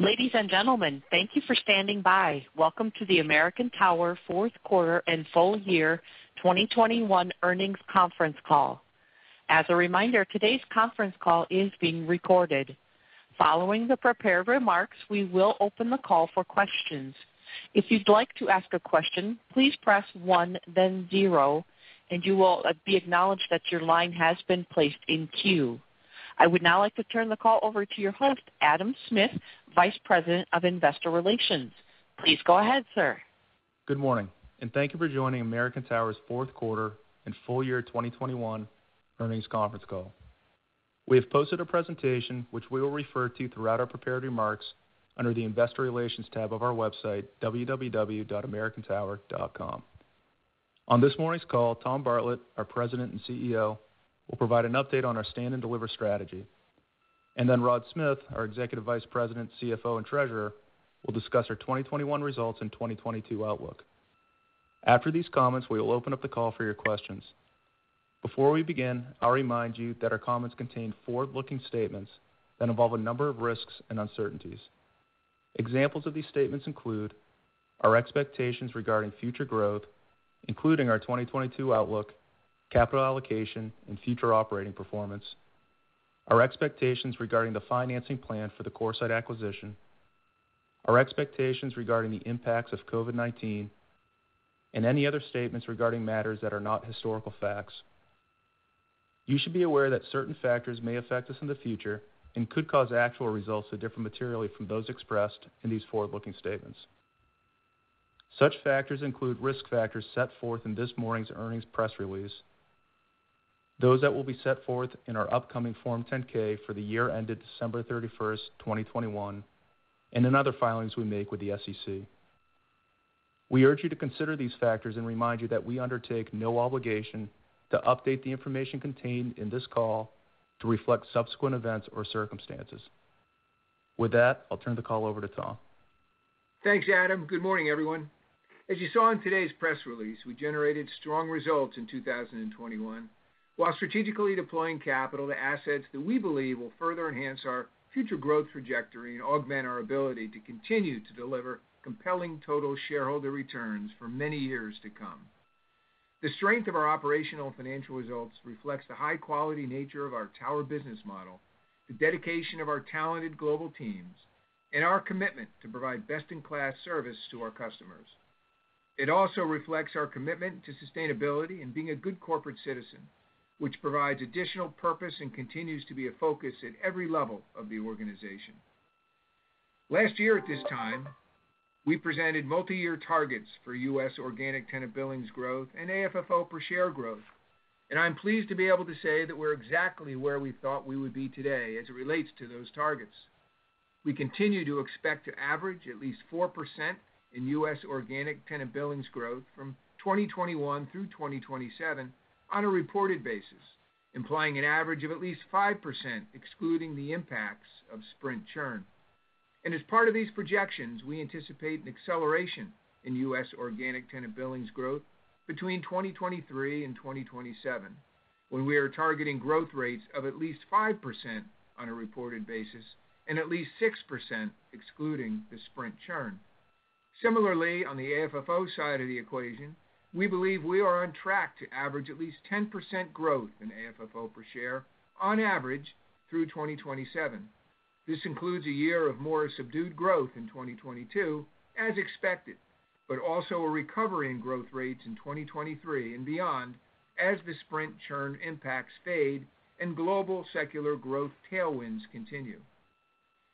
Ladies and gentlemen, thank you for standing by. Welcome to the American Tower Fourth Quarter and Full-Year 2021 Earnings Conference Call. As a reminder, today's conference call is being recorded. Following the prepared remarks, we will open the call for questions. If you'd like to ask a question, please press one, then zero, and you will be acknowledged that your line has been placed in queue. I would now like to turn the call over to your host, Adam Smith, Vice President of Investor Relations. Please go ahead, sir. Good morning and thank you for joining American Tower's Fourth Quarter and Full-Year 2021 Earnings Conference Call. We have posted a presentation, which we will refer to throughout our prepared remarks under the Investor Relations tab of our website, www.americantower.com. On this morning's call, Tom Bartlett, our President and CEO, will provide an update on our Stand and Deliver strategy. Rod Smith, our Executive Vice President, CFO, and Treasurer will discuss our 2021 results and 2022 outlook. After these comments, we will open up the call for your questions. Before we begin, I'll remind you that our comments contain forward-looking statements that involve a number of risks and uncertainties. Examples of these statements include our expectations regarding future growth including our 2022 outlook, capital allocation, and future operating performance, our expectations regarding the financing plan for the CoreSite acquisition, our expectations regarding the impacts of COVID-19, and any other statements regarding matters that are not historical facts. You should be aware that certain factors may affect us in the future and could cause actual results to differ materially from those expressed in these forward-looking statements. Such factors include risk factors set forth in this morning's earnings press release, those that will be set forth in our upcoming Form 10-K for the year ended December 31st, 2021, and in other filings we make with the SEC. We urge you to consider these factors and remind you that we undertake no obligation to update the information contained in this call to reflect subsequent events or circumstances. With that, I'll turn the call over to Tom. Thanks, Adam. Good morning, everyone. As you saw in today's press release, we generated strong results in 2021 while strategically deploying capital to assets that we believe will further enhance our future growth trajectory and augment our ability to continue to deliver compelling total shareholder returns for many years to come. The strength of our operational financial results reflects the high-quality nature of our tower business model, the dedication of our talented global teams, and our commitment to provide best-in-class service to our customers. It also reflects our commitment to sustainability and being a good corporate citizen, which provides additional purpose and continues to be a focus at every level of the organization. Last year at this time, we presented multiyear targets for U.S. organic tenant billings growth and AFFO per share growth, and I'm pleased to be able to say that we're exactly where we thought we would be today as it relates to those targets. We continue to expect to average at least 4% in U.S. organic tenant billings growth from 2021 through 2027 on a reported basis, implying an average of at least 5% excluding the impacts of Sprint churn. As part of these projections, we anticipate an acceleration in U.S. organic tenant billings growth between 2023 and 2027, when we are targeting growth rates of at least 5% on a reported basis, and at least 6% excluding the Sprint churn. Similarly, on the AFFO side of the equation, we believe we are on track to average at least 10% growth in AFFO per share on average through 2027. This includes a year of more subdued growth in 2022, as expected, but also a recovery in growth rates in 2023 and beyond as the Sprint churn impacts fade, and global secular growth tailwinds continue.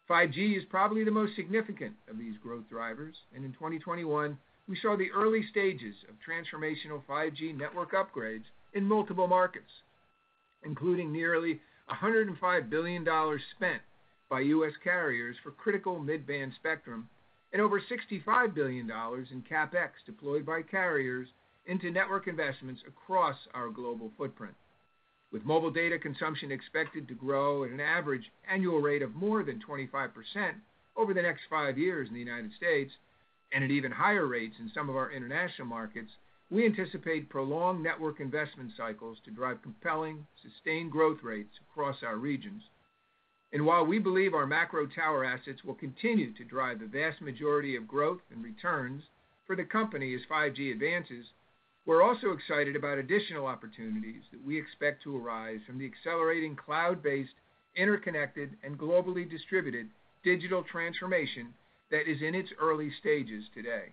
5G is probably the most significant of these growth drivers, and in 2021, we saw the early stages of transformational 5G network upgrades in multiple markets, including nearly $105 billion spent by U.S. carriers for critical mid-band spectrum and over $65 billion in CapEx deployed by carriers into network investments across our global footprint. With mobile data consumption expected to grow at an average annual rate of more than 25% over the next five years in the United States, and at even higher rates in some of our international markets, we anticipate prolonged network investment cycles to drive compelling, sustained growth rates across our regions. While we believe our macro tower assets will continue to drive the vast majority of growth and returns for the company as 5G advances, we're also excited about additional opportunities that we expect to arise from the accelerating cloud-based, interconnected, and globally distributed digital transformation that is in its early stages today.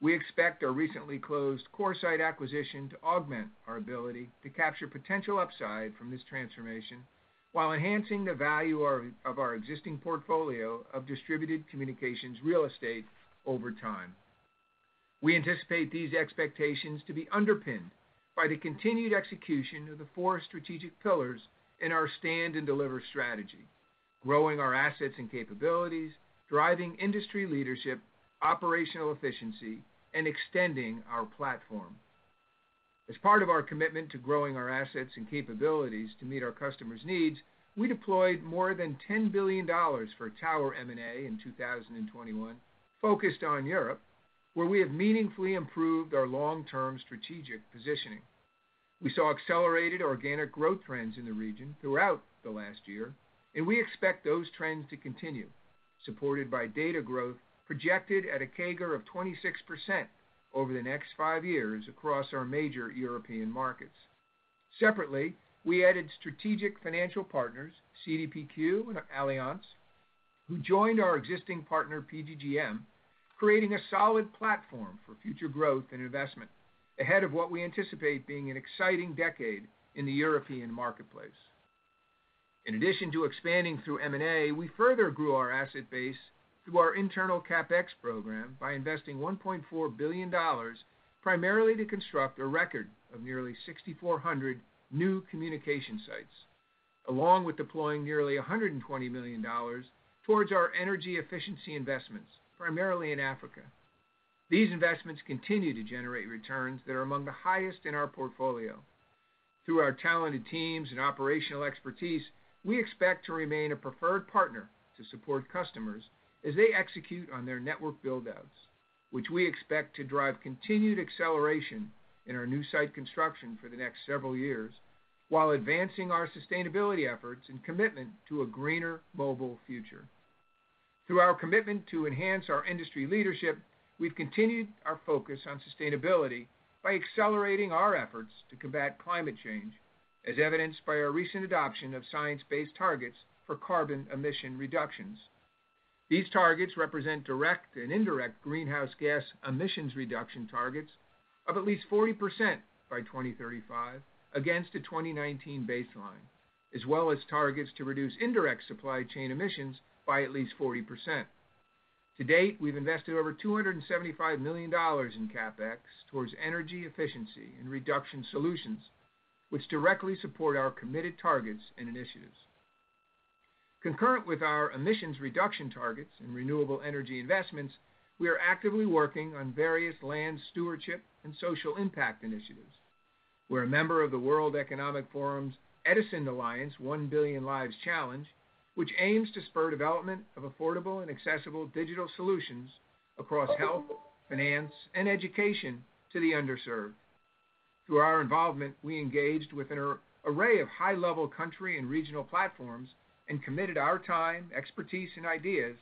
We expect our recently closed CoreSite acquisition to augment our ability to capture potential upside from this transformation while enhancing the value of our existing portfolio of distributed communications real estate over time. We anticipate these expectations to be underpinned by the continued execution of the four strategic pillars in our Stand and Deliver strategy, growing our assets and capabilities, driving industry leadership, operational efficiency, and extending our platform. As part of our commitment to growing our assets and capabilities to meet our customers' needs, we deployed more than $10 billion for Tower M&A in 2021 focused on Europe, where we have meaningfully improved our long-term strategic positioning. We saw accelerated organic growth trends in the region throughout the last year, and we expect those trends to continue supported by data growth projected at a CAGR of 26% over the next five years across our major European markets. Separately, we added strategic financial partners, CDPQ and Allianz, who joined our existing partner, PGGM, creating a solid platform for future growth and investment ahead of what we anticipate being an exciting decade in the European marketplace. In addition to expanding through M&A, we further grew our asset base through our internal CapEx program by investing $1.4 billion primarily to construct a record of nearly 6,400 new communication sites, along with deploying nearly $120 million towards our energy efficiency investments primarily in Africa. These investments continue to generate returns that are among the highest in our portfolio. Through our talented teams and operational expertise, we expect to remain a preferred partner to support customers as they execute on their network build-outs, which we expect to drive continued acceleration in our new site construction for the next several years, while advancing our sustainability efforts and commitment to a greener mobile future. Through our commitment to enhance our industry leadership, we've continued our focus on sustainability by accelerating our efforts to combat climate change, as evidenced by our recent adoption of science-based targets for carbon emission reductions. These targets represent direct and indirect greenhouse gas emissions reduction targets of at least 40% by 2035 against a 2019 baseline, as well as targets to reduce indirect supply chain emissions by at least 40%. To date, we've invested over $275 million in CapEx towards energy efficiency and reduction solutions, which directly support our committed targets and initiatives. Concurrent with our emissions reduction targets and renewable energy investments, we are actively working on various land stewardship and social impact initiatives. We're a member of the World Economic Forum's EDISON Alliance 1 Billion Lives Challenge, which aims to spur development of affordable and accessible digital solutions across health, finance, and education to the underserved. Through our involvement, we engaged with an array of high-level country and regional platforms and committed our time, expertise, and ideas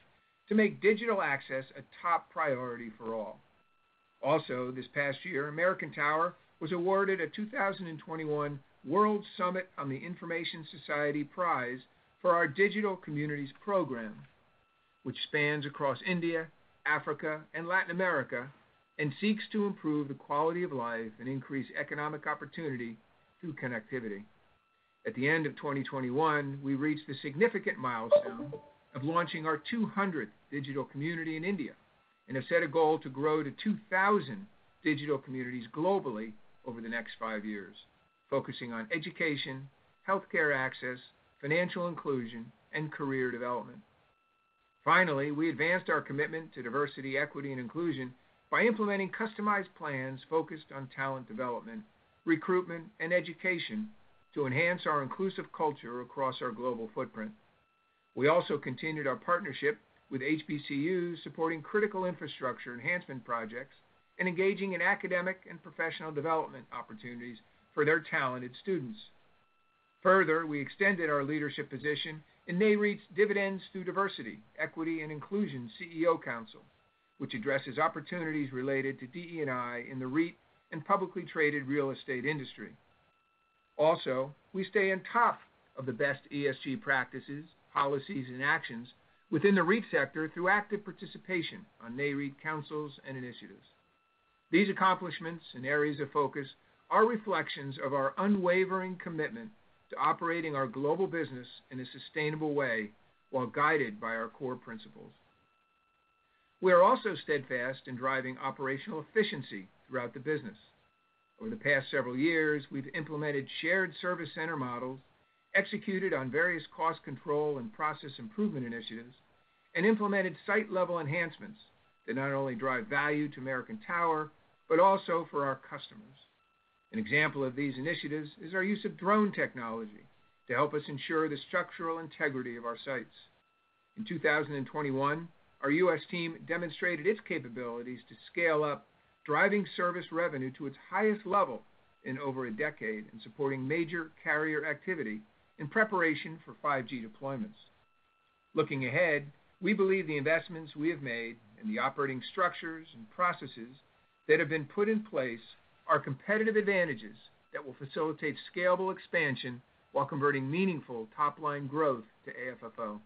to make digital access a top priority for all. Also, this past year, American Tower was awarded a 2021 World Summit on the Information Society Prize for our digital communities program, which spans across India, Africa, and Latin America, and seeks to improve the quality of life, and increase economic opportunity through connectivity. At the end of 2021, we reached the significant milestone of launching our 200th digital community in India and have set a goal to grow to 2,000 digital communities globally over the next five years focusing on education, healthcare access, financial inclusion, and career development. Finally, we advanced our commitment to diversity, equity, and inclusion by implementing customized plans focused on talent development, recruitment, and education to enhance our inclusive culture across our global footprint. We also continued our partnership with HBCU supporting critical infrastructure enhancement projects and engaging in academic and professional development opportunities for their talented students. Further, we extended our leadership position in Nareit's Dividends Through Diversity, Equity & Inclusion CEO Council, which addresses opportunities related to DE&I in the REIT and publicly traded real estate industry. Also, we stay on top of the best ESG practices, policies, and actions within the REIT sector through active participation on Nareit councils and initiatives. These accomplishments and areas of focus are reflections of our unwavering commitment to operating our global business in a sustainable way while guided by our core principles. We are also steadfast in driving operational efficiency throughout the business. Over the past several years, we've implemented shared service center models, executed on various cost control and process improvement initiatives, and implemented site-level enhancements that not only drive value to American Tower, but also for our customers. An example of these initiatives is our use of drone technology to help us ensure the structural integrity of our sites. In 2021, our U.S. team demonstrated its capabilities to scale up driving service revenue to its highest level in over a decade and supporting major carrier activity in preparation for 5G deployments. Looking ahead, we believe the investments we have made in the operating structures and processes that have been put in place are competitive advantages that will facilitate scalable expansion while converting meaningful top-line growth to AFFO.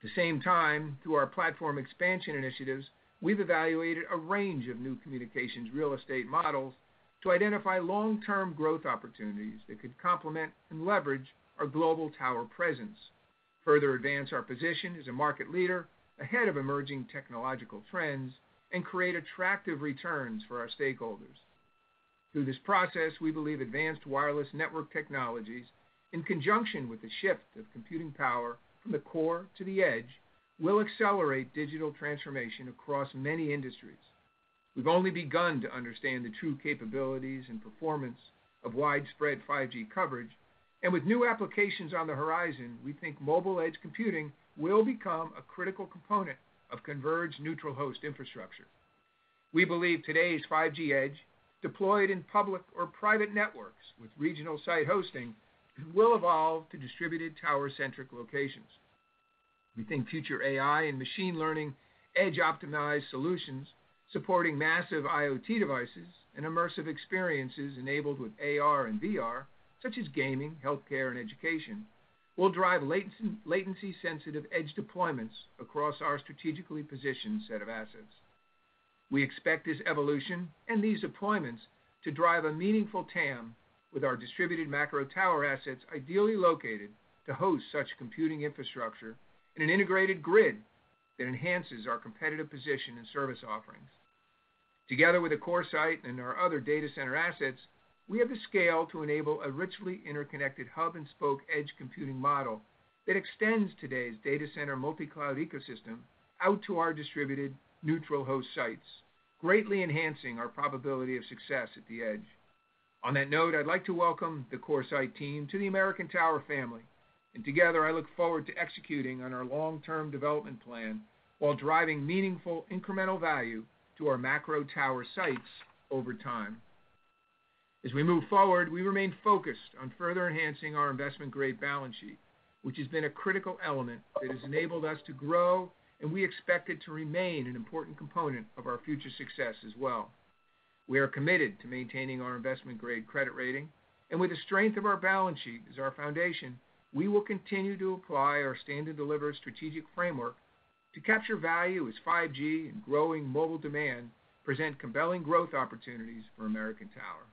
At the same time, through our platform expansion initiatives, we've evaluated a range of new communications real estate models to identify long-term growth opportunities that could complement and leverage our global tower presence, further advance our position as a market leader ahead of emerging technological trends, and create attractive returns for our stakeholders. Through this process, we believe advanced wireless network technologies, in conjunction with the shift of computing power from the core to the edge, will accelerate digital transformation across many industries. We've only begun to understand the true capabilities and performance of widespread 5G coverage. With new applications on the horizon, we think mobile edge computing will become a critical component of converged neutral host infrastructure. We believe today's 5G edge, deployed in public or private networks with regional site hosting will evolve to distributed tower-centric locations. We think future AI and machine learning, edge-optimized solutions supporting massive IoT devices, and immersive experiences enabled with AR and VR, such as gaming, healthcare, and education will drive latency-sensitive edge deployments across our strategically positioned set of assets. We expect this evolution and these deployments to drive a meaningful TAM with our distributed macro-tower assets ideally located to host such computing infrastructure in an integrated grid that enhances our competitive position and service offerings. Together with the CoreSite and our other data center assets, we have the scale to enable a richly interconnected hub and spoke edge computing model that extends today's data center multi-cloud ecosystem out to our distributed neutral host sites, greatly enhancing our probability of success at the edge. On that note, I'd like to welcome the CoreSite team to the American Tower family, and together, I look forward to executing on our long-term development plan while driving meaningful incremental value to our macro tower sites over time. As we move forward, we remain focused on further enhancing our investment-grade balance sheet, which has been a critical element that has enabled us to grow, and we expect it to remain an important component of our future success as well. We are committed to maintaining our investment-grade credit rating, and with the strength of our balance sheet as our foundation, we will continue to apply our Stand and Deliver strategic framework to capture value as 5G and growing mobile demand present compelling growth opportunities for American Tower.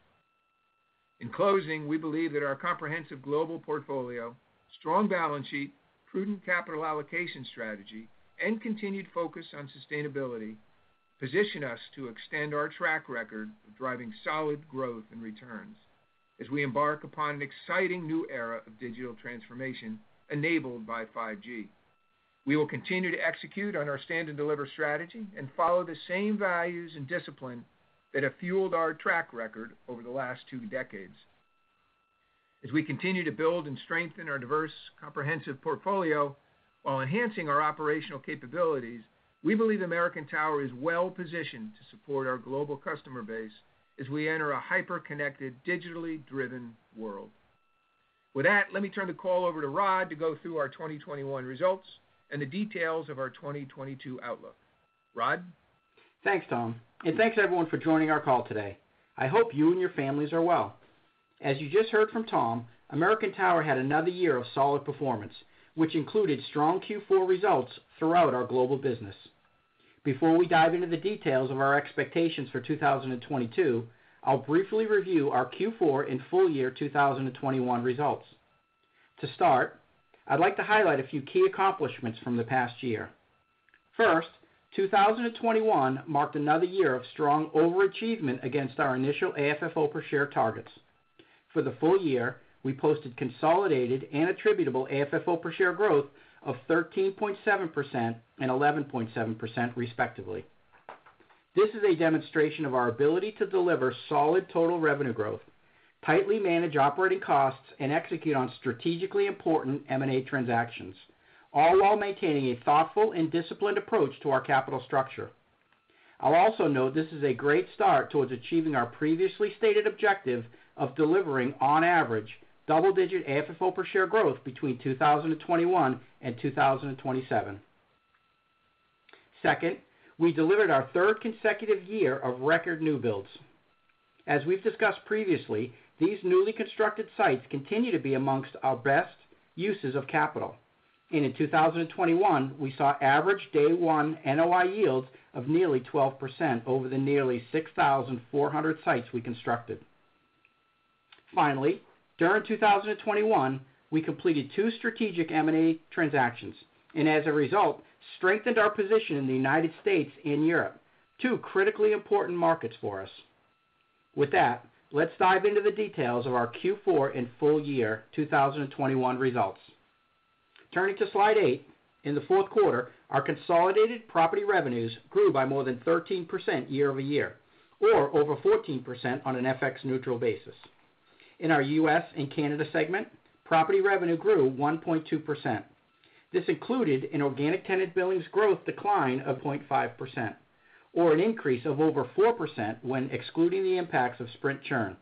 In closing, we believe that our comprehensive global portfolio, strong balance sheet, prudent capital allocation strategy, and continued focus on sustainability position us to extend our track record of driving solid growth and returns as we embark upon an exciting new era of digital transformation enabled by 5G. We will continue to execute on our Stand and Deliver strategy and follow the same values and discipline that have fueled our track record over the last two decades. As we continue to build and strengthen our diverse, comprehensive portfolio, while enhancing our operational capabilities, we believe American Tower is well-positioned to support our global customer base as we enter a hyper-connected, digitally-driven world. With that, let me turn the call over to Rod to go through our 2021 results and the details of our 2022 outlook. Rod? Thanks, Tom, and thanks, everyone for joining our call today. I hope you and your families are well. As you just heard from Tom, American Tower had another year of solid performance, which included strong Q4 results throughout our global business. Before we dive into the details of our expectations for 2022, I'll briefly review our Q4 and full-year 2021 results. To start, I'd like to highlight a few key accomplishments from the past year. First, 2021 marked another year of strong overachievement against our initial AFFO per share targets. For the full-year, we posted consolidated and attributable AFFO per share growth of 13.7% and 11.7% respectively. This is a demonstration of our ability to deliver solid total revenue growth, tightly manage operating costs, and execute on strategically important M&A transactions, all while maintaining a thoughtful and disciplined approach to our capital structure. I'll also note this is a great start towards achieving our previously stated objective of delivering on average double-digit AFFO per share growth between 2021 and 2027. Second, we delivered our third consecutive year of record new builds. As we've discussed previously, these newly constructed sites continue to be amongst our best uses of capital. In 2021, we saw average day one NOI yields of nearly 12% over the nearly 6,400 sites we constructed. Finally, during 2021, we completed two strategic M&A transactions, and as a result, strengthened our position in the United States and Europe, two critically important markets for us. With that, let's dive into the details of our Q4 and full-year 2021 results. Turning to slide eight, in the fourth quarter, our consolidated property revenues grew by more than 13% year-over-year or over 14% on an FX neutral basis. In our U.S. and Canada segment, property revenue grew 1.2%. This included an organic tenant billings growth decline of 0.5% or an increase of over 4% when excluding the impacts of Sprint churn.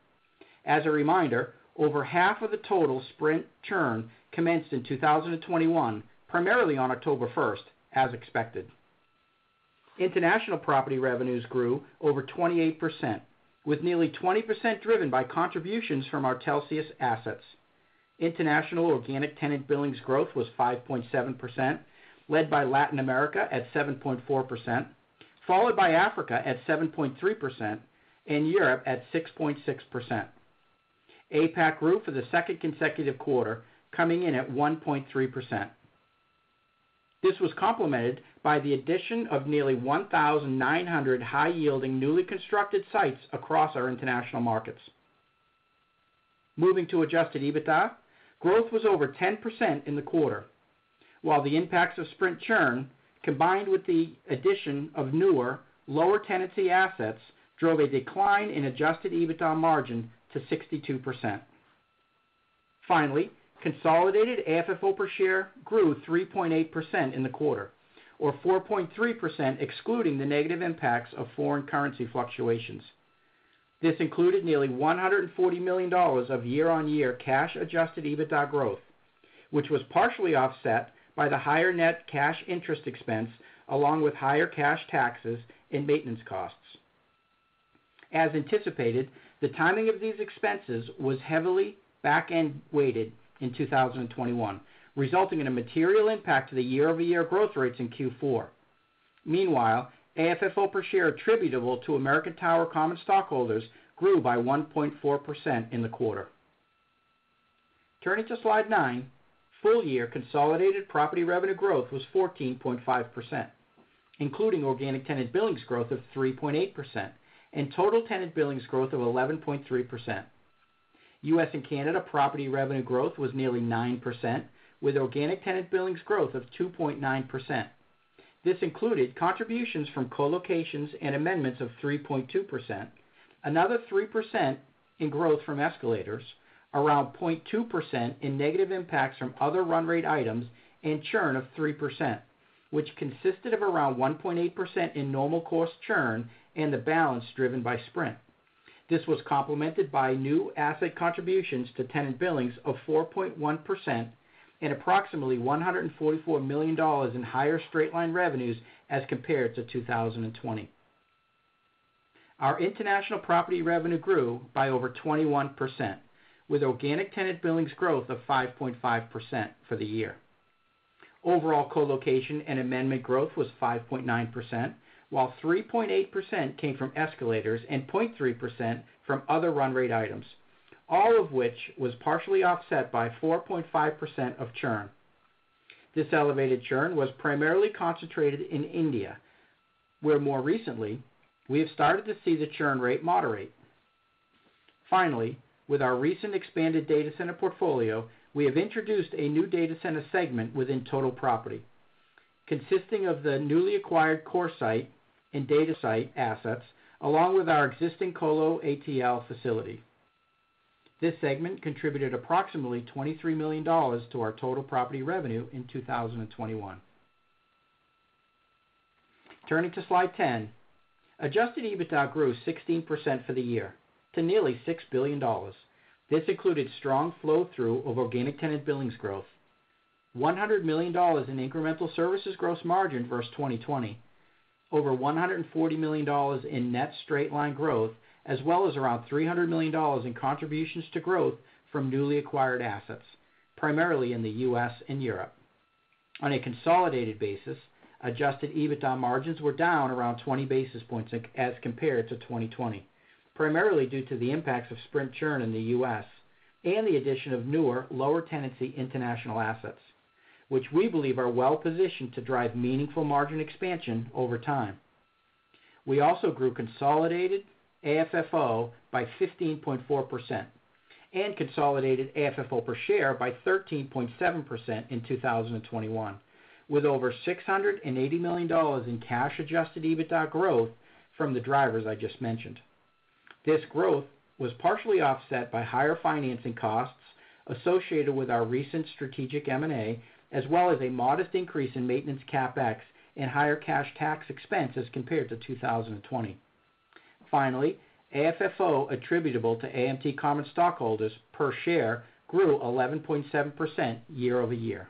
As a reminder, over half of the total Sprint churn commenced in 2021, primarily on October 1st, as expected. International property revenues grew over 28% with nearly 20% driven by contributions from our Telxius assets. International organic tenant billings growth was 5.7%, led by Latin America at 7.4%, followed by Africa at 7.3%, and Europe at 6.6%. APAC grew for the second consecutive quarter coming in at 1.3%. This was complemented by the addition of nearly 1,900 high-yielding, newly constructed sites across our international markets. Moving to adjusted EBITDA, growth was over 10% in the quarter. While the impacts of Sprint churn, combined with the addition of newer, lower tenancy assets drove a decline in adjusted EBITDA margin to 62%. Finally, consolidated AFFO per share grew 3.8% in the quarter or 4.3% excluding the negative impacts of foreign currency fluctuations. This included nearly $140 million of year-over-year cash adjusted EBITDA growth, which was partially offset by the higher net cash interest expense along with higher cash taxes and maintenance costs. As anticipated, the timing of these expenses was heavily back-end weighted in 2021 resulting in a material impact to the year-over-year growth rates in Q4. Meanwhile, AFFO per share attributable to American Tower common stockholders grew by 1.4% in the quarter. Turning to slide nine, full-year consolidated property revenue growth was 14.5%, including organic tenant billings growth of 3.8%, and total tenant billings growth of 11.3%. U.S. and Canada property revenue growth was nearly 9%, with organic tenant billings growth of 2.9%. This included contributions from colocations and amendments of 3.2%, another 3% in growth from escalators, around 0.2% in negative impacts from other run rate items, and churn of 3%, which consisted of around 1.8% in normal course churn, and the balance driven by Sprint. This was complemented by new asset contributions to tenant billings of 4.1% and approximately $144 million in higher straight line revenues as compared to 2020. Our international property revenue grew by over 21% with organic tenant billings growth of 5.5% for the year. Overall colocation and amendment growth was 5.9%, while 3.8% came from escalators, and 0.3% from other run rate items, all of which was partially offset by 4.5% of churn. This elevated churn was primarily concentrated in India where more recently we have started to see the churn rate moderate. Finally, with our recent expanded data center portfolio, we have introduced a new data center segment within total property consisting of the newly acquired CoreSite and DataSite assets along with our existing Colo Atl facility. This segment contributed approximately $23 million to our total property revenue in 2021. Turning to slide 10, adjusted EBITDA grew 16% for the year to nearly $6 billion. This included strong flow through of organic tenant billings growth, $100 million in incremental services gross margin versus 2020, over $140 million in net straight line growth, as well as around $300 million in contributions to growth from newly acquired assets primarily in the U.S. and Europe. On a consolidated basis, adjusted EBITDA margins were down around 20 basis points as compared to 2020, primarily due to the impacts of Sprint churn in the U.S. and the addition of newer, lower tenancy international assets, which we believe are well-positioned to drive meaningful margin expansion over time. We also grew consolidated AFFO by 15.4% and consolidated AFFO per share by 13.7% in 2021 with over $680 million in cash-adjusted EBITDA growth from the drivers I just mentioned. This growth was partially offset by higher financing costs associated with our recent strategic M&A, as well as a modest increase in maintenance CapEx, and higher cash tax expense as compared to 2020. Finally, AFFO attributable to AMT common stockholders per share grew 11.7% year-over-year.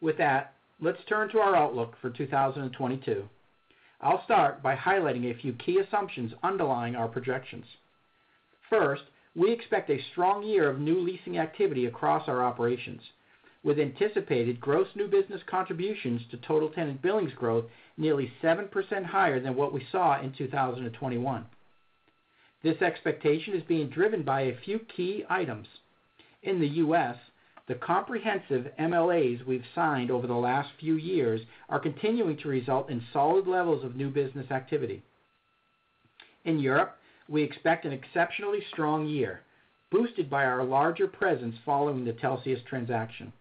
With that, let's turn to our outlook for 2022. I'll start by highlighting a few key assumptions underlying our projections. First, we expect a strong year of new leasing activity across our operations with anticipated gross new business contributions to total tenant billings growth nearly 7% higher than what we saw in 2021. This expectation is being driven by a few key items. In the U.S., the comprehensive MLA we've signed over the last few years are continuing to result in solid levels of new business activity. In Europe, we expect an exceptionally strong year, boosted by our larger presence following the Telxius transaction.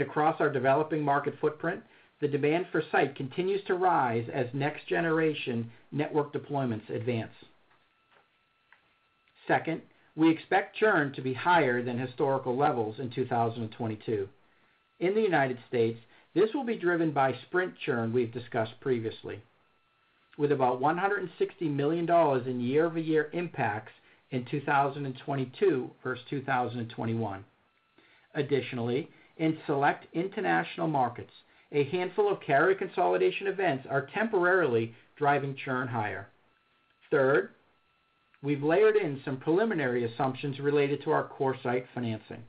Across our developing market footprint, the demand for site continues to rise as next generation network deployments advance. Second, we expect churn to be higher than historical levels in 2022. In the United States, this will be driven by Sprint churn we've discussed previously with about $160 million in year-over-year impacts in 2022 versus 2021. Additionally, in select international markets, a handful of carrier consolidation events are temporarily driving churn higher. Third, we've layered in some preliminary assumptions related to our CoreSite financing.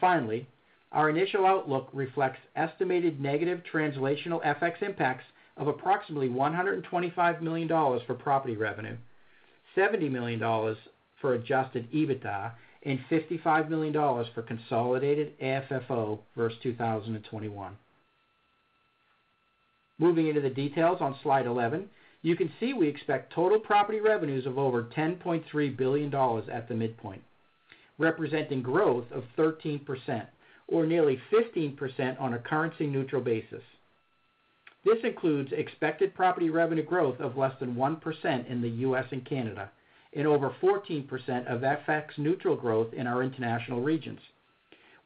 Finally, our initial outlook reflects estimated negative translational FX impacts of approximately $125 million for property revenue, $70 million for adjusted EBITDA, and $55 million for consolidated AFFO versus 2021. Moving into the details on slide 11, you can see we expect total property revenues of over $10.3 billion at the midpoint, representing growth of 13% or nearly 15% on a currency-neutral basis. This includes expected property revenue growth of less than 1% in the U.S. and Canada and over 14% FX-neutral growth in our international regions.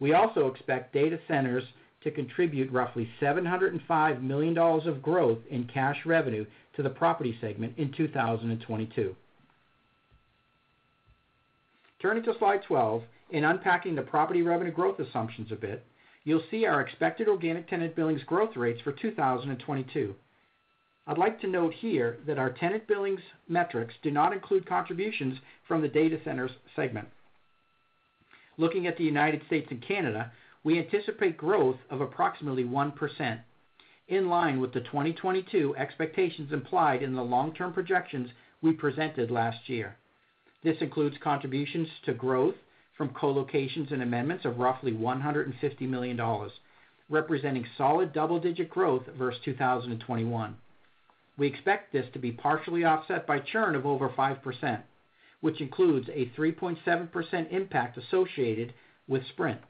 We also expect data centers to contribute roughly $705 million of growth in cash revenue to the property segment in 2022. Turning to slide 12, in unpacking the property revenue growth assumptions a bit, you'll see our expected organic tenant billings growth rates for 2022. I'd like to note here that our tenant billings metrics do not include contributions from the data centers segment. Looking at the United States and Canada, we anticipate growth of approximately 1%, in line with the 2022 expectations implied in the long-term projections we presented last year. This includes contributions to growth from colocations and amendments of roughly $150 million, representing solid double-digit growth versus 2021. We expect this to be partially offset by churn of over 5%, which includes a 3.7% impact associated with Sprint.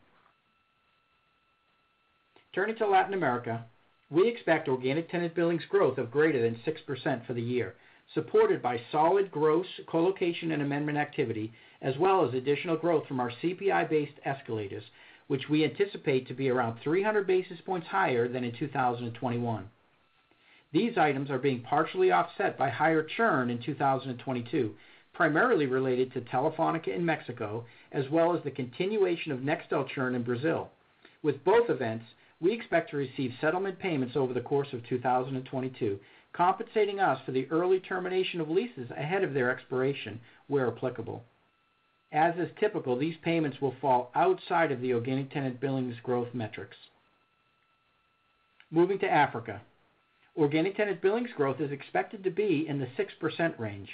Turning to Latin America, we expect organic tenant billings growth of greater than 6% for the year supported by solid gross colocation and amendment activity, as well as additional growth from our CPI-based escalators, which we anticipate to be around 300 basis points higher than in 2021. These items are being partially offset by higher churn in 2022, primarily related to Telefónica in Mexico, as well as the continuation of Nextel churn in Brazil. With both events, we expect to receive settlement payments over the course of 2022, compensating us for the early termination of leases ahead of their expiration where applicable. As is typical, these payments will fall outside of the organic tenant billings growth metrics. Moving to Africa, organic tenant billings growth is expected to be in the 6% range.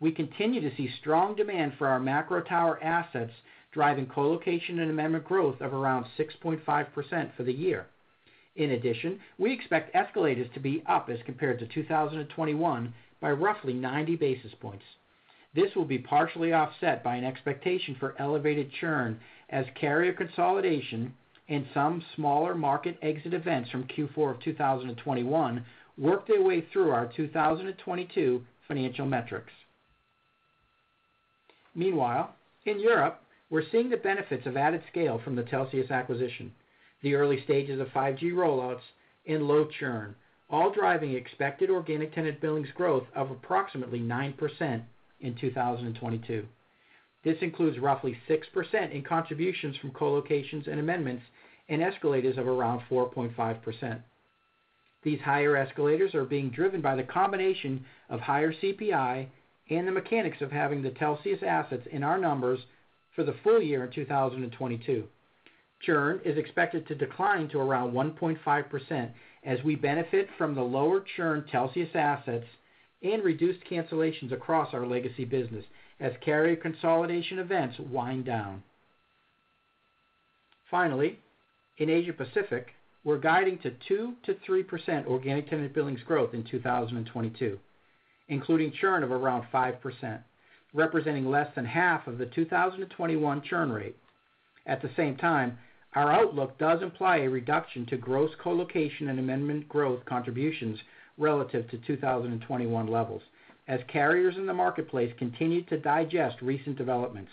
We continue to see strong demand for our macro tower assets, driving colocation and amendment growth of around 6.5% for the year. In addition, we expect escalators to be up as compared to 2021 by roughly 90 basis points. This will be partially offset by an expectation for elevated churn as carrier consolidation and some smaller market exit events from Q4 of 2021 work their way through our 2022 financial metrics. Meanwhile, in Europe, we're seeing the benefits of added scale from the Telxius acquisition, the early stages of 5G rollouts, and low churn, all driving expected organic tenant billings growth of approximately 9% in 2022. This includes roughly 6% in contributions from colocations and amendments and escalators of around 4.5%. These higher escalators are being driven by the combination of higher CPI and the mechanics of having the Telxius assets in our numbers for the full-year in 2022. Churn is expected to decline to around 1.5% as we benefit from the lower churn Telxius assets and reduced cancellations across our legacy business as carrier consolidation events wind down. Finally, in Asia Pacific, we're guiding to 2% to 3% organic tenant billings growth in 2022, including churn of around 5%, representing less than half of the 2021 churn rate. At the same time, our outlook does imply a reduction to gross colocation and amendment growth contributions relative to 2021 levels as carriers in the marketplace continue to digest recent developments.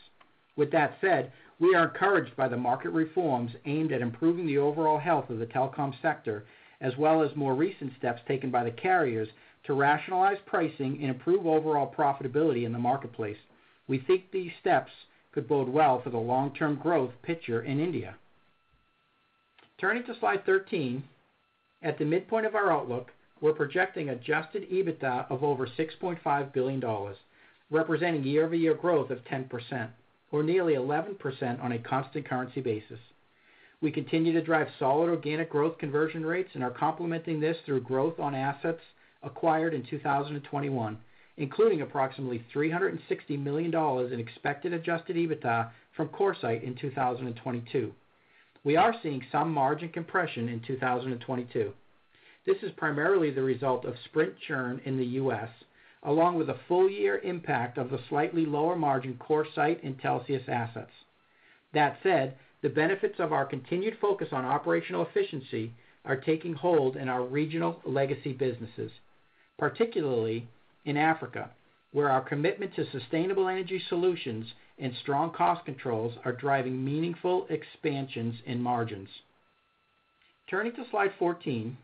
With that said, we are encouraged by the market reforms aimed at improving the overall health of the telecom sector, as well as more recent steps taken by the carriers to rationalize pricing, and improve overall profitability in the marketplace. We think these steps could bode well for the long-term growth picture in India. Turning to slide 13, at the midpoint of our outlook, we're projecting adjusted EBITDA of over $6.5 billion, representing year-over-year growth of 10% or nearly 11% on a constant currency basis. We continue to drive solid organic growth conversion rates and are complementing this through growth on assets acquired in 2021 including approximately $360 million in expected adjusted EBITDA from CoreSite in 2022. We are seeing some margin compression in 2022. This is primarily the result of Sprint churn in the U.S. along with a full-year impact of the slightly lower margin CoreSite and Telxius assets. With that said, the benefits of our continued focus on operational efficiency are taking hold in our regional legacy businesses, particularly in Africa, where our commitment to sustainable energy solutions and strong cost controls are driving meaningful expansions in margins. Turning to slide 14,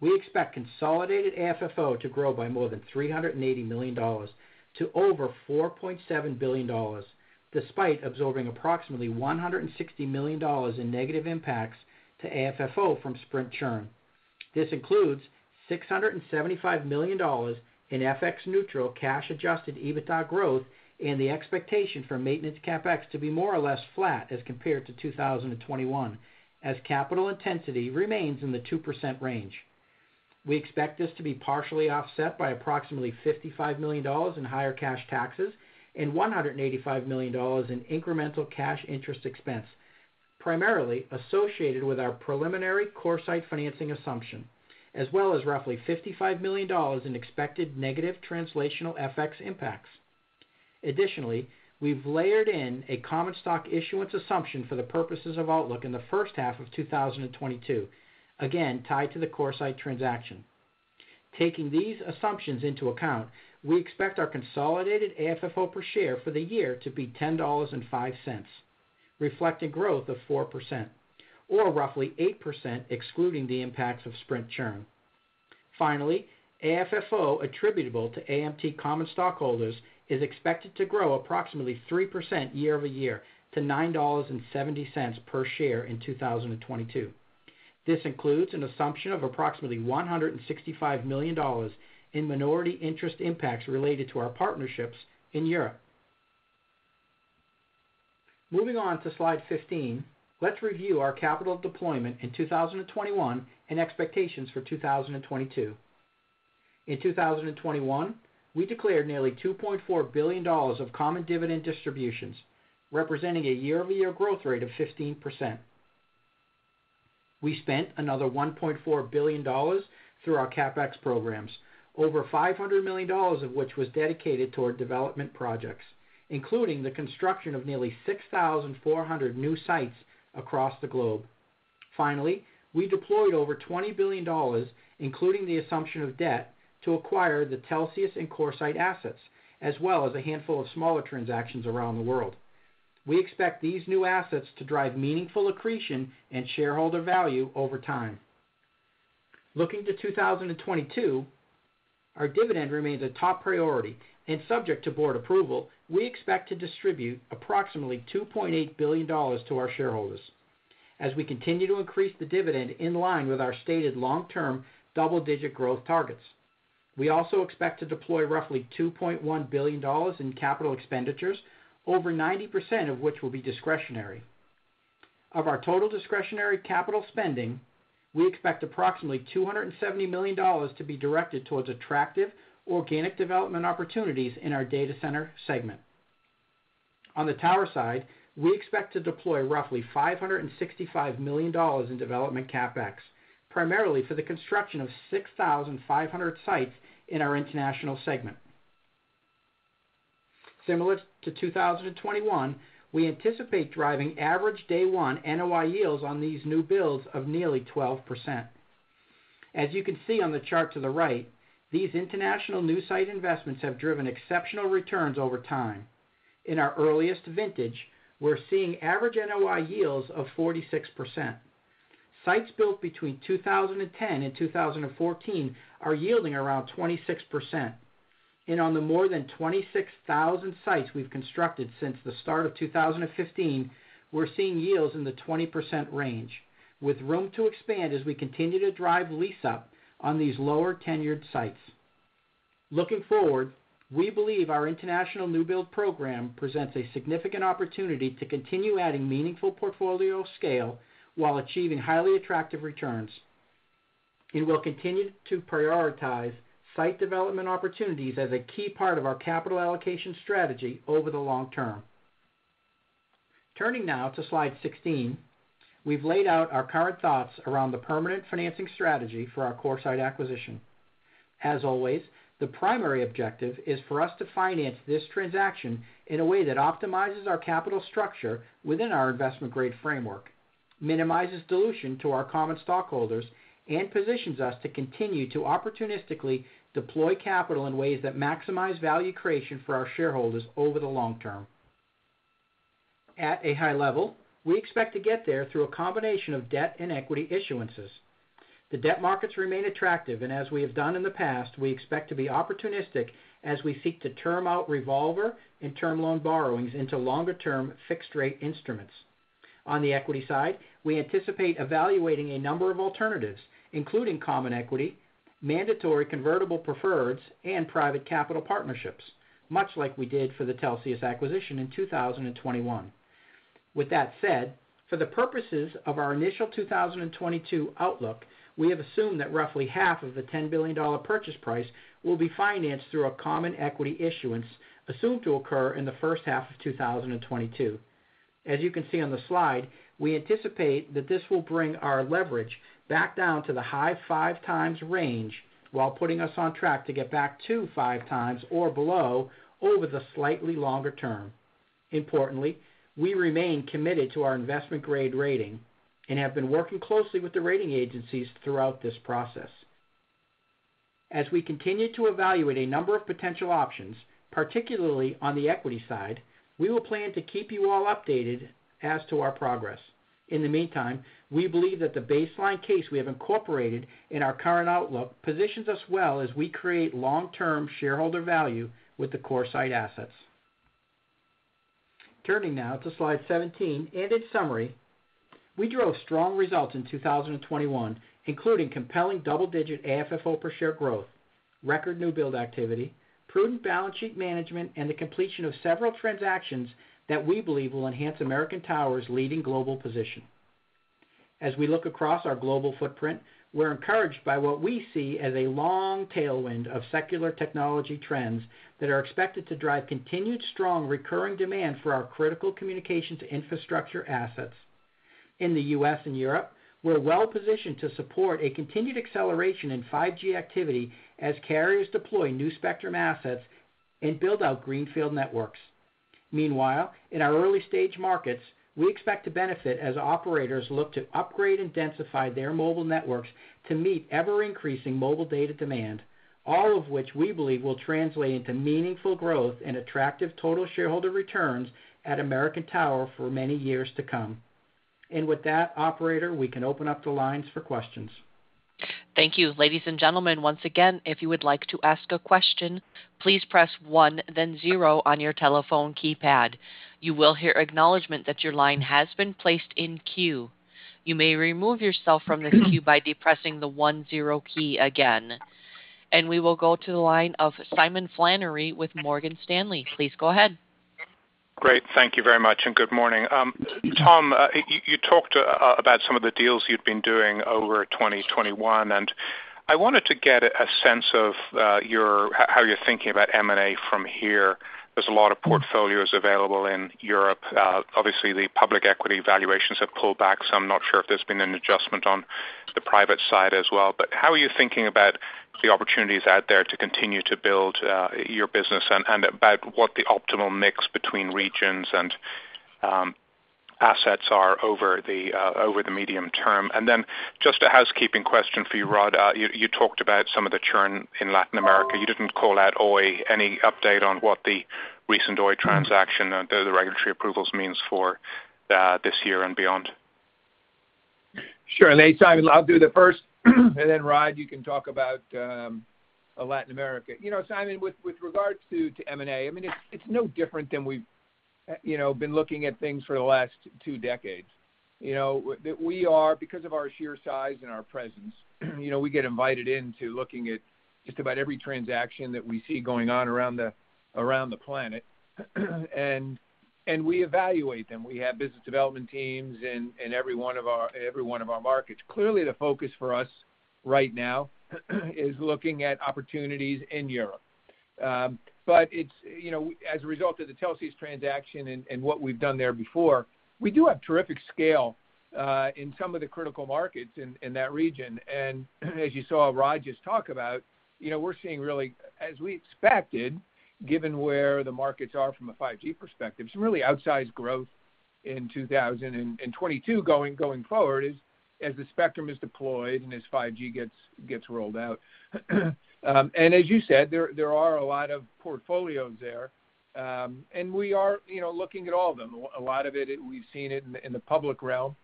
we expect consolidated AFFO to grow by more than $380 million to over $4.7 billion, despite absorbing approximately $160 million in negative impacts to AFFO from Sprint churn. This includes $675 million in FX neutral cash adjusted EBITDA growth and the expectation for maintenance CapEx to be more or less flat as compared to 2021 as capital intensity remains in the 2% range. We expect this to be partially offset by approximately $55 million in higher cash taxes and $185 million in incremental cash interest expense, primarily associated with our preliminary CoreSite financing assumption, as well as roughly $55 million in expected negative translational FX impacts. Additionally, we've layered in a common stock issuance assumption for the purposes of outlook in the first half of 2022, again, tied to the CoreSite transaction. Taking these assumptions into account, we expect our consolidated AFFO per share for the year to be $10.05, reflecting growth of 4%, or roughly 8% excluding the impacts of Sprint churn. Finally, AFFO attributable to AMT common stockholders is expected to grow approximately 3% year-over-year to $9.70 per share in 2022. This includes an assumption of approximately $165 million in minority interest impacts related to our partnerships in Europe. Moving on to slide 15, let's review our capital deployment in 2021 and expectations for 2022. In 2021, we declared nearly $2.4 billion of common dividend distributions representing a year-over-year growth rate of 15%. We spent another $1.4 billion through our CapEx programs, over $500 million of which was dedicated toward development projects, including the construction of nearly 6,400 new sites across the globe. Finally, we deployed over $20 billion, including the assumption of debt to acquire the Telxius and CoreSite assets, as well as a handful of smaller transactions around the world. We expect these new assets to drive meaningful accretion and shareholder value over time. Looking to 2022, our dividend remains a top priority and subject to board approval, we expect to distribute approximately $2.8 billion to our shareholders as we continue to increase the dividend in line with our stated long-term double-digit growth targets. We also expect to deploy roughly $2.1 billion in capital expenditures, over 90% of which will be discretionary. Of our total discretionary capital spending, we expect approximately $270 million to be directed towards attractive organic development opportunities in our data center segment. On the Tower side, we expect to deploy roughly $565 million in development CapEx, primarily for the construction of 6,500 sites in our international segment. Similar to 2021, we anticipate driving average day one NOI yields on these new builds of nearly 12%. As you can see on the chart to the right, these international new site investments have driven exceptional returns over time. In our earliest vintage, we're seeing average NOI yields of 46%. Sites built between 2010 and 2014 are yielding around 26%. On the more than 26,000 sites we've constructed since the start of 2015, we're seeing yields in the 20% range with room to expand as we continue to drive lease up on these lower tenured sites. Looking forward, we believe our international new build program presents a significant opportunity to continue adding meaningful portfolio of scale while achieving highly attractive returns. We will continue to prioritize site development opportunities as a key part of our capital allocation strategy over the long term. Turning now to slide 16, we've laid out our current thoughts around the permanent financing strategy for our CoreSite acquisition. As always, the primary objective is for us to finance this transaction in a way that optimizes our capital structure within our investment grade framework, minimizes dilution to our common stockholders, and positions us to continue to opportunistically deploy capital in ways that maximize value creation for our shareholders over the long term. At a high level, we expect to get there through a combination of debt and equity issuances. The debt markets remain attractive, and as we have done in the past, we expect to be opportunistic as we seek to term out revolver and term loan borrowings into longer-term fixed rate instruments. On the equity side, we anticipate evaluating a number of alternatives, including common equity, mandatory convertible preferred, and private capital partnerships, much like we did for the Telxius acquisition in 2021. With that said, for the purposes of our initial 2022 outlook, we have assumed that roughly half of the $10 billion purchase price will be financed through a common equity issuance assumed to occur in the first half of 2022. As you can see on the slide, we anticipate that this will bring our leverage back down to the high 5x range while putting us on track to get back to 5x or below over the slightly longer term. Importantly, we remain committed to our investment grade rating and have been working closely with the rating agencies throughout this process. As we continue to evaluate a number of potential options, particularly on the equity side, we will plan to keep you all updated as to our progress. In the meantime, we believe that the baseline case we have incorporated in our current outlook positions us well as we create long-term shareholder value with the CoreSite assets. Turning now to slide 17 and its summary, we drove strong results in 2021, including compelling double-digit AFFO per share growth, record new build activity, prudent balance sheet management, and the completion of several transactions that we believe will enhance American Tower's leading global position. As we look across our global footprint, we're encouraged by what we see as a long tailwind of secular technology trends that are expected to drive continued strong recurring demand for our critical communications infrastructure assets. In the U.S. and Europe, we're well-positioned to support a continued acceleration in 5G activity as carriers deploy new spectrum assets and build out greenfield networks. Meanwhile, in our early-stage markets, we expect to benefit as operators look to upgrade and densify their mobile networks to meet ever-increasing mobile data demand, all of which we believe will translate into meaningful growth and attractive total shareholder returns at American Tower for many years to come. With that, operator, we can open up the lines for questions. Thank you. Ladies and gentlemen, once again, if you would like to ask a question, please press one then zero on your telephone keypad. You will hear acknowledgment that your line has been placed in queue. You may remove yourself from the queue by depressing the one zero key again. We will go to the line of Simon Flannery with Morgan Stanley. Please go ahead. Great. Thank you very much and good morning. Tom, you talked about some of the deals you've been doing over 2021 and I wanted to get a sense of your how you're thinking about M&A from here. There's a lot of portfolios available in Europe. Obviously, the public equity valuations have pulled back, so I'm not sure if there's been an adjustment on the private side as well. How are you thinking about the opportunities out there to continue to build your business and about what the optimal mix between regions and assets are over the medium term? Then just a housekeeping question for you, Rod. You talked about some of the churn in Latin America. You didn't call out Oi. Any update on what the recent Oi transaction and the regulatory approvals means for this year and beyond? Sure. Hey, Simon, I'll do the first, and then Rod, you can talk about Latin America. Simon, with regards to M&A, I mean, it's no different than we've you know been looking at things for the last two decades, you know, that we are because of our sheer size and our presence, you know, we get invited into looking at just about every transaction that we see going on around the planet, and we evaluate them. We have business development teams in every one of our markets. Clearly, the focus for us right now is looking at opportunities in Europe. It's, you know, as a result of the Telxius transaction and what we've done there before, we do have terrific scale in some of the critical markets in that region. As you saw Rod just talk about, you know, we're seeing really, as we expected, given where the markets are from a 5G perspective, some really outsized growth in 2022 going forward as the spectrum is deployed, and as 5G gets rolled out. As you said, there are a lot of portfolios there, and we are, you know, looking at all of them. A lot of it, we've seen it in the public realm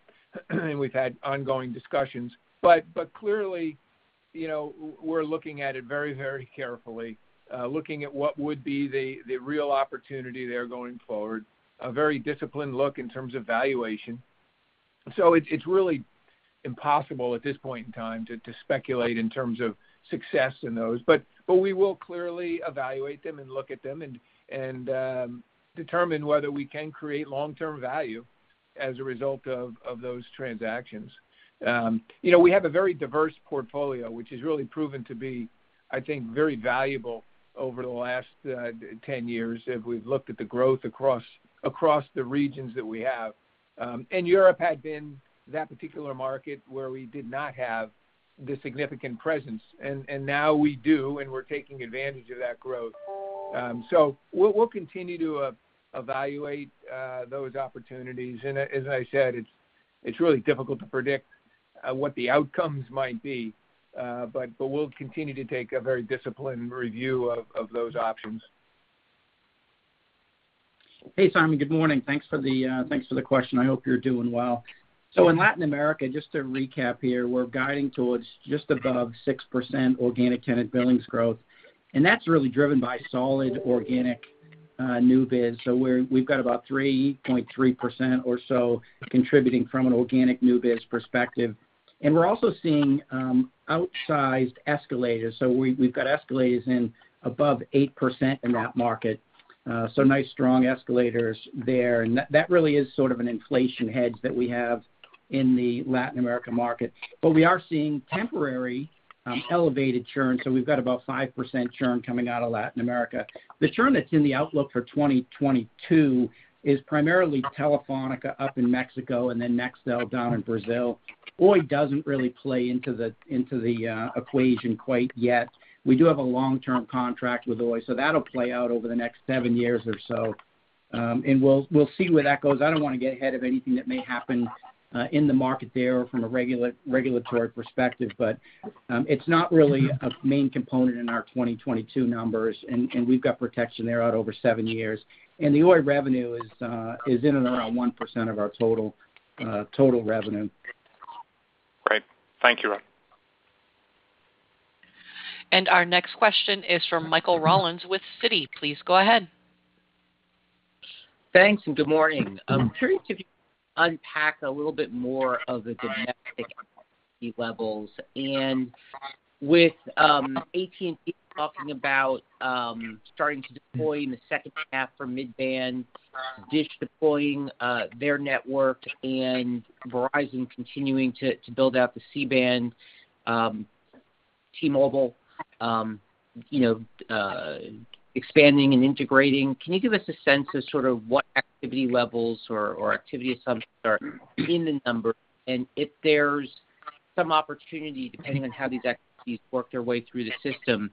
and we've had ongoing discussions. Clearly, you know, we're looking at it very carefully, looking at what would be the real opportunity there going forward, a very disciplined look in terms of valuation. It's really impossible at this point in time to speculate in terms of success in those. We will clearly evaluate them and look at them and determine whether we can create long-term value as a result of those transactions. We have a very diverse portfolio, which has really proven to be, I think, very valuable over the last 10 years as we've looked at the growth across the regions that we have. Europe had been that particular market where we did not have the significant presence, and now we do, and we're taking advantage of that growth. We'll continue to evaluate those opportunities. As I said, it's really difficult to predict what the outcomes might be. We'll continue to take a very disciplined review of those options. Hey, Simon. Good morning. Thanks for the question. I hope you're doing well. In Latin America, just to recap here, we're guiding towards just above 6% organic tenant billings growth, and that's really driven by solid organic new biz. We've got about 3.3% or so contributing from an organic new biz perspective. We're also seeing outsized escalators. We've got escalators above 8% in that market so nice, strong escalators there, and that really is sort of an inflation hedge that we have in the Latin America market. We are seeing temporary elevated churn so we've got about 5% churn coming out of Latin America. The churn that's in the outlook for 2022 is primarily Telefónica up in Mexico and then Nextel down in Brazil. Oi doesn't really play into the equation quite yet. We do have a long-term contract with Oi, so that'll play out over the next seven years or so, and we'll see where that goes. I don't want to get ahead of anything that may happen in the market there from a regulatory perspective, but it's not really a main component in our 2022 numbers, and we've got protection there out over seven years. The Oi revenue is in and around 1% of our total revenue. Great. Thank you. Our next question is from Michael Rollins with Citi. Please go ahead. Thanks, and good morning. I'm curious if you could unpack a little bit more of the dynamic levels. With AT&T talking about starting to deploy in the second half for mid-band, DISH deploying their network, and Verizon continuing to build out the C-band, T-Mobile, you know, expanding and integrating. Can you give us a sense of sort of what activity levels or activity assumptions are in the number, and if there's some opportunity, depending on how these activities work their way through the system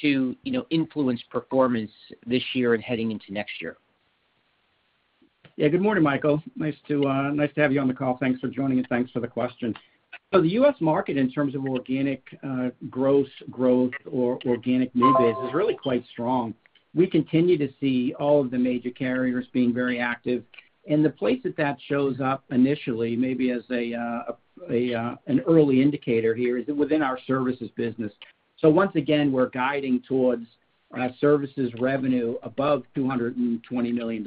to, you know, influence performance this year and heading into next year? Yeah. Good morning, Michael. Nice to have you on the call. Thanks for joining us. Thanks for the question. The U.S. market, in terms of organic gross growth or organic new biz, is really quite strong. We continue to see all of the major carriers being very active. The place that shows up initially, maybe as an early indicator here, is within our services business. Once again, we're guiding towards our services revenue above $220 million,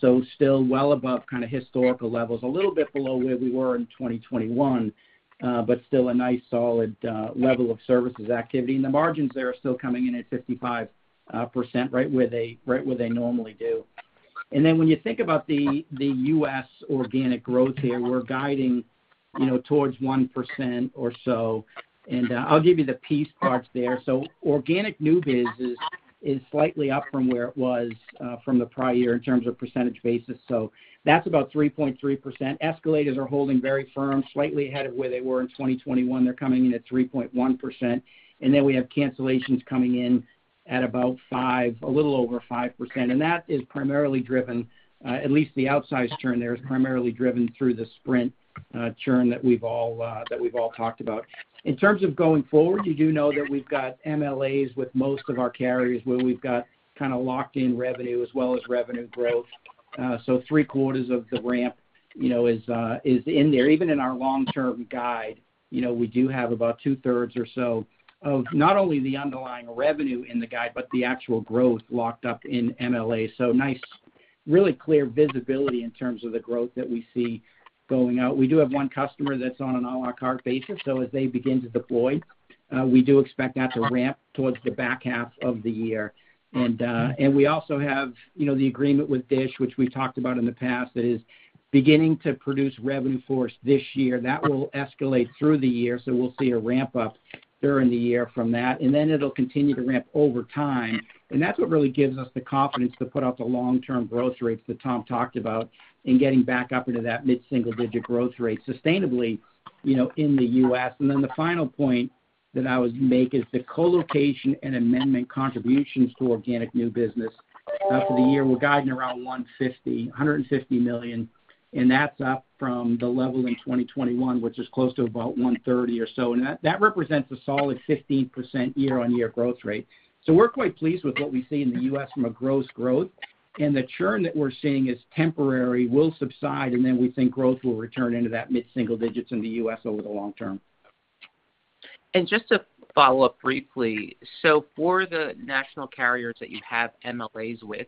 so still well above kind of historical levels, a little bit below where we were in 2021, but still a nice solid level of services activity. The margins there are still coming in at 55% right where they normally do. When you think about the U.S. organic growth here, we're guiding, you know, towards 1% or so, and I'll give you the piece parts there. Organic new biz is slightly up from where it was from the prior year in terms of percentage basis so that's about 3.3%. Escalators are holding very firm, slightly ahead of where they were in 2021. They're coming in at 3.1%, and then we have cancellations coming in at about 5%, a little over 5%. That is primarily driven, at least the outsize churn there, is primarily driven through the Sprint churn that we've all talked about. In terms of going forward, you do know that we've got MLAs with most of our carriers where we've got kind of locked in revenue as well as revenue growth. Three-quarters of the ramp, you know, is in there. Even in our long term guide, you know, we do have about 2/3 or so of not only the underlying revenue in the guide but the actual growth locked up in MLA, so nice, really clear visibility in terms of the growth that we see going out. We do have one customer that's on an a la carte basis, so as they begin to deploy, we do expect that to ramp towards the back half of the year. We also have, you know, the agreement with DISH, which we've talked about in the past, that is beginning to produce revenue for us this year. That will escalate through the year, so we'll see a ramp up during the year from that, and then it'll continue to ramp over time. That's what really gives us the confidence to put out the long-term growth rates that Tom talked about in getting back up into that mid-single-digit growth rate sustainably, you know, in the U.S. The final point that I would make is the colocation and amendment contributions to organic new business. For the year, we're guiding around $150 million, and that's up from the level in 2021, which is close to about $130 million or so. That represents a solid 15% year-on-year growth rate. We're quite pleased with what we see in the U.S. from a gross growth. The churn that we're seeing is temporary, will subside, and then we think growth will return into that mid-single digits in the U.S. over the long term. To follow up briefly, so for the national carriers that you have MLAs with,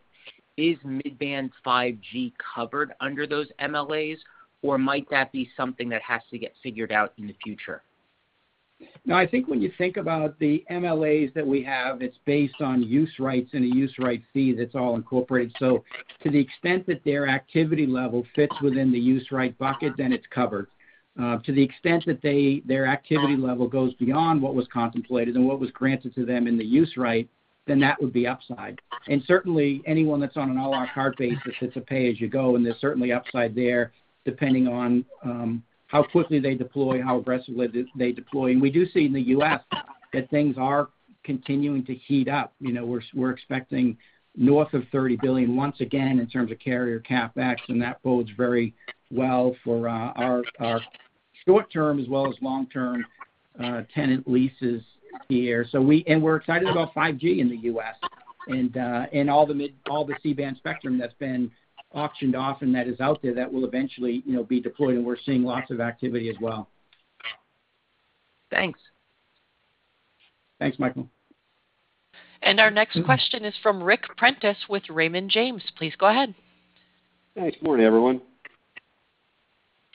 is mid-band 5G covered under those MLAs, or might that be something that has to get figured out in the future? No, I think when you think about the MLAs that we have, it's based on use rights and a use right fee that's all incorporated. To the extent that their activity level fits within the use right bucket, then it's covered. To the extent that their activity level goes beyond what was contemplated and what was granted to them in the use right, then that would be upside. Certainly, anyone that's on an a la carte basis, it's a pay-as-you-go, and there's certainly upside there, depending on how quickly they deploy and how aggressively they deploy. We do see in the U.S. that things are continuing to heat up. We're expecting north of $30 billion once again in terms of carrier CapEx, and that bodes very well for our short term, as well as long term tenant leases here. We're excited about 5G in the U.S. and all the C-band spectrum that's been auctioned off and that is out there, that will eventually, you know, be deployed, and we're seeing lots of activity as well. Thanks. Thanks, Michael. Our next question is from Ric Prentiss with Raymond James. Please go ahead. Hey. Good morning, everyone.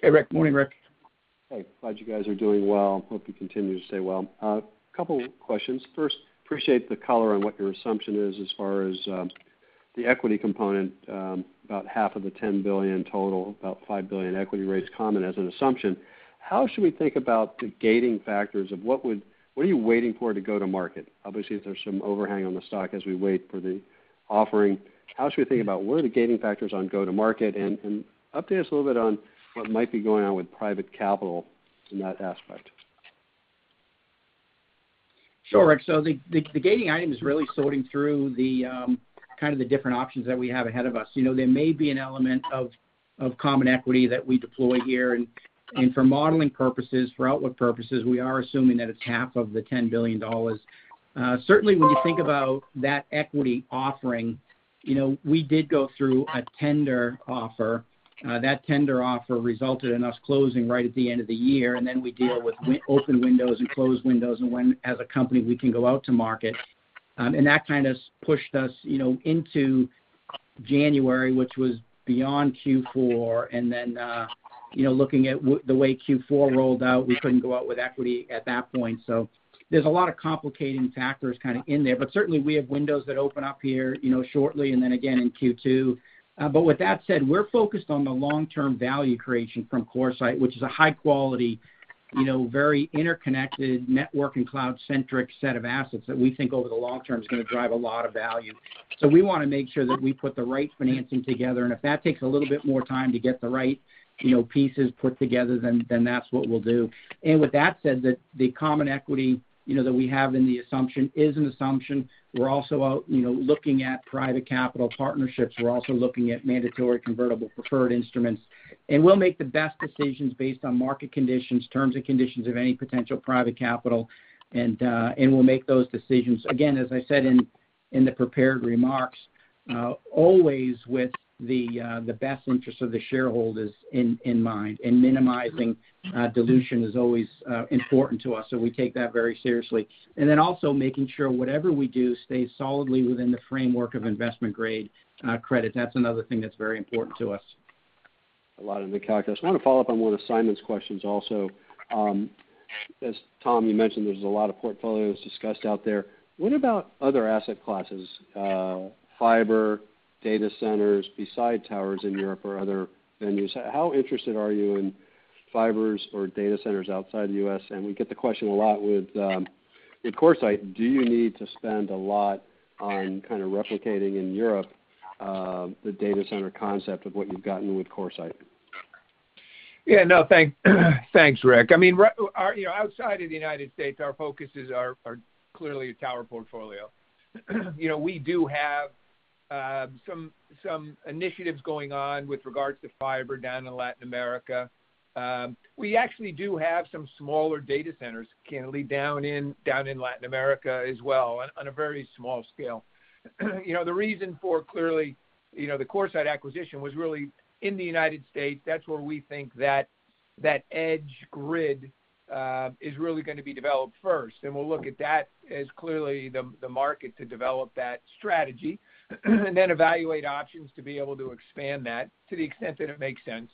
Hey, Ric. Morning, Ric. Hey. I'm glad you guys are doing well, and hope you continue to stay well, a couple of questions. First, appreciate the color on what your assumption is as far as the equity component, about half of the $10 billion total, about $5 billion equity raise common as an assumption. How should we think about the gating factors of what are you waiting for to go to market? Obviously, there's some overhang on the stock as we wait for the offering. How should we think about what are the gating factors on go to market? And update us a little bit on what might be going on with private capital in that aspect. Sure, Ric. The gating item is really sorting through the kind of different options that we have ahead of us. There may be an element of common equity that we deploy here. For modeling purposes, for outlook purposes, we are assuming that it's half of the $10 billion. Certainly, when you think about that equity offering, you know, we did go through a tender offer. That tender offer resulted in us closing right at the end of the year, and then we deal with open windows and closed windows, and when as a company we can go out to market. That kind of pushed us, you know, into January, which was beyond Q4 and, you know, looking at the way Q4 rolled out, we couldn't go out with equity at that point. There's a lot of complicating factors kind of in there. Certainly, we have windows that open up here, you know, shortly and then again in Q2. With that said, we're focused on the long-term value creation from CoreSite, which is a high quality, you know, very interconnected network and cloud-centric set of assets that we think over the long term is going to drive a lot of value. We want to make sure that we put the right financing together. If that takes a little bit more time to get the right, you know, pieces put together, then that's what we'll do. With that said, the common equity, you know, that we have in the assumption is an assumption. We're also out, you know, looking at private capital partnerships. We're also looking at mandatory convertible preferred instruments. We'll make the best decisions based on market conditions, terms and conditions of any potential private capital, and we'll make those decisions. Again, as I said in the prepared remarks, always with the best interests of the shareholders in mind, and minimizing dilution is always important to us, so we take that very seriously. Also making sure whatever we do stays solidly within the framework of investment-grade credit. That's another thing that's very important to us. A lot of the calculus. I want to follow up on one of Simon's questions also. As Tom, you mentioned, there's a lot of portfolios discussed out there. What about other asset classes, fiber, data centers, besides towers in Europe or other venues? How interested are you in fibers or data centers outside the U.S.? We get the question a lot with CoreSite, do you need to spend a lot on kind of replicating in Europe the data center concept of what you've gotten with CoreSite? Thanks, Ric. I mean, you know, outside of the United States, our focuses are clearly a Tower portfolio. We do have some initiatives going on with regards to fiber down in Latin America. We actually do have some smaller data centers, candidly, down in Latin America as well on a very small scale. You know, the reason for clearly, you know, the CoreSite acquisition was really in the United States. That's where we think that edge grid is really going to be developed first. We'll look at that as clearly the market to develop that strategy and then evaluate options to be able to expand that to the extent that it makes sense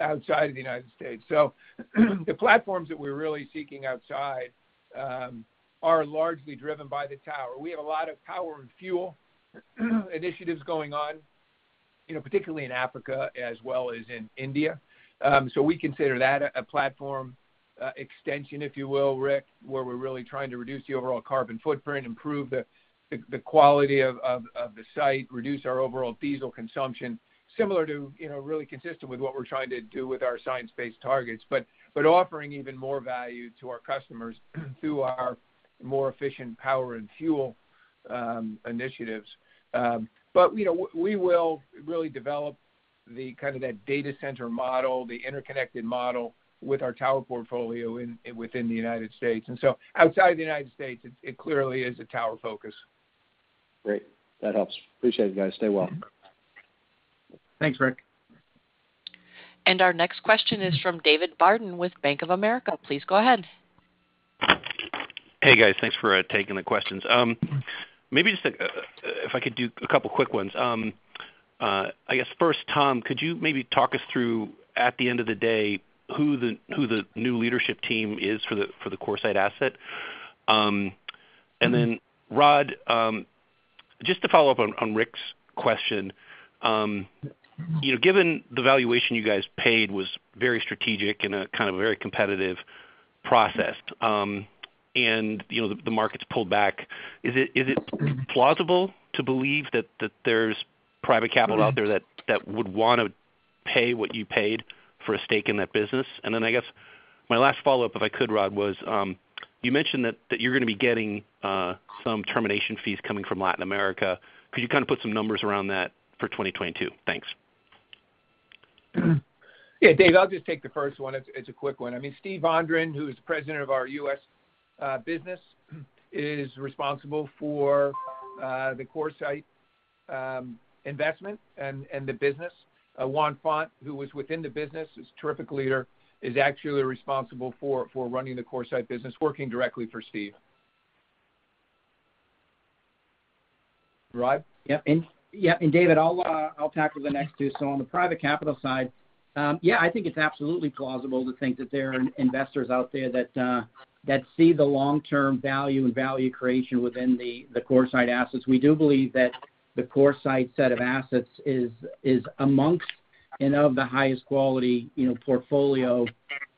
outside of the United States. The platforms that we're really seeking outside are largely driven by the Tower. We have a lot of power and fuel initiatives going on, you know, particularly in Africa as well as in India. We consider that a platform extension, if you will, Ric, where we're really trying to reduce the overall carbon footprint, improve the quality of the site, reduce our overall diesel consumption, similar to, you know, really consistent with what we're trying to do with our science-based targets, offering even more value to our customers through our more efficient power and fuel initiatives. You know, we will really develop the kind of that data center model, the interconnected model with our tower portfolio within the United States. Outside the United States, it clearly is a Tower focus. Great. That helps. Appreciate it, guys. Stay well. Thanks, Ric. Our next question is from David Barden with Bank of America. Please go ahead. Hey, guys. Thanks for taking the questions. Maybe just if I could do a couple quick ones. FIrst, Tom, could you maybe talk us through, at the end of the day, who the new leadership team is for the CoreSite asset? Then Rod, just to follow up on Ric's question, you know, given the valuation you guys paid was very strategic in a kind of very competitive process and, you know, the market's pulled back, is it plausible to believe that there's private capital out there that would want to pay what you paid for a stake in that business? Then my last follow-up, if I could, Rod, was, you mentioned that you're going to be getting some termination fees coming from Latin America. Could you kind of put some numbers around that for 2022? Thanks. Yeah, Dave, I'll just take the first one. It's a quick one. I mean, Steven Vondran, who is President of our U.S. business, is responsible for the CoreSite investment and the business. Juan Font, who was within the business, is a terrific leader, is actually responsible for running the CoreSite business, working directly for Steve. Rod? Yeah. Yeah, David, I'll tackle the next two. On the private capital side, yeah, I think it's absolutely plausible to think that there are investors out there that see the long-term value and value creation within the CoreSite assets. We do believe that the CoreSite set of assets is amongst one of the highest quality, you know, portfolio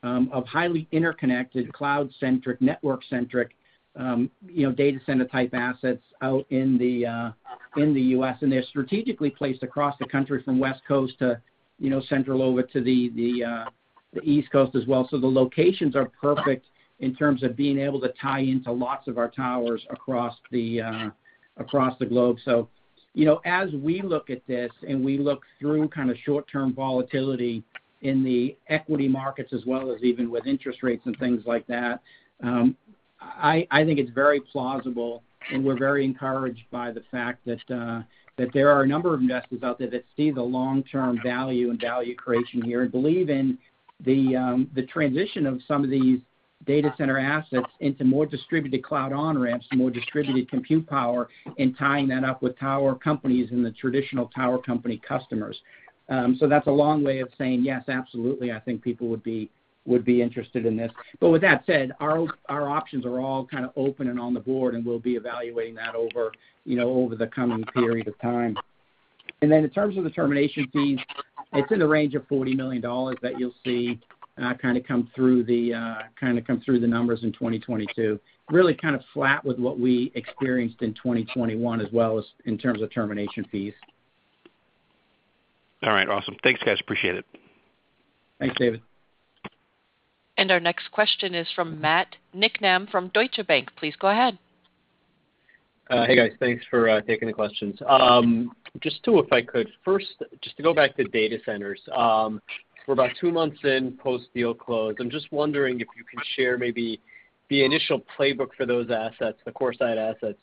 of highly interconnected, cloud-centric, network-centric, you know, data center type assets out in the U.S. They're strategically placed across the country from West Coast to Central over to the East Coast as well. The locations are perfect in terms of being able to tie into lots of our towers across the globe. As we look at this and we look through kind of short-term volatility in the equity markets as well as even with interest rates and things like that, I think it's very plausible. We're very encouraged by the fact that there are a number of investors out there that see the long-term value and value creation here and believe in the transition of some of these data center assets into more distributed cloud on-ramps, more distributed compute power, and tying that up with tower companies and the traditional tower company customers. That's a long way of saying, yes, absolutely, I think people would be interested in this. With that said, our options are all kind of open and on the board, and we'll be evaluating that over, you know, over the coming period of time. In terms of the termination fees, it's in the range of $40 million that you'll see kind of come through the numbers in 2022, really kind of flat with what we experienced in 2021, as well as in terms of termination fees. All right. Awesome. Thanks, guys. Appreciate it. Thanks, David. Our next question is from Matt Niknam from Deutsche Bank. Please go ahead. Hey, guys, thanks for taking the questions, just two, if I could. First, just to go back to data centers. We're about two months in post-deal close. I'm just wondering if you can share maybe the initial playbook for those assets, the CoreSite assets,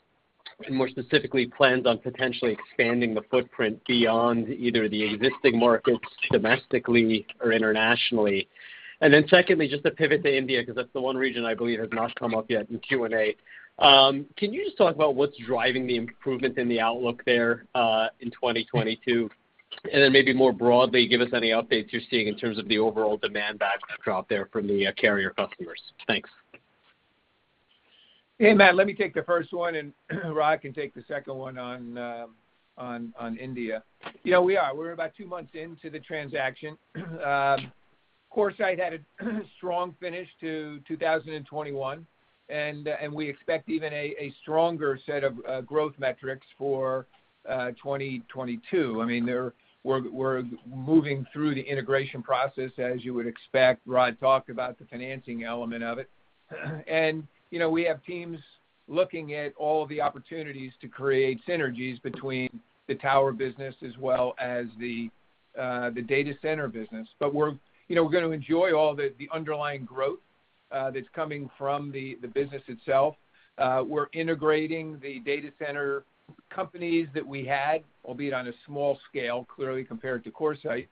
and more specifically, plans on potentially expanding the footprint beyond either the existing markets domestically or internationally. Secondly, just to pivot to India, because that's the one region I believe has not come up yet in Q&A. Can you just talk about what's driving the improvement in the outlook there in 2022? Maybe more broadly, give us any updates you're seeing in terms of the overall demand backdrop there from the carrier customers. Thanks. Hey, Matt. Let me take the first one and Rod can take the second one on India. Yeah, we are. We're about two months into the transaction. CoreSite had a strong finish to 2021 and we expect even a stronger set of growth metrics for 2022. I mean, we're moving through the integration process, as you would expect. Rod talked about the financing element of it. We have teams looking at all the opportunities to create synergies between the tower business as well as the data center business. We're going to enjoy all the underlying growth that's coming from the business itself. We're integrating the data center companies that we had, albeit on a small scale, clearly compared to CoreSite,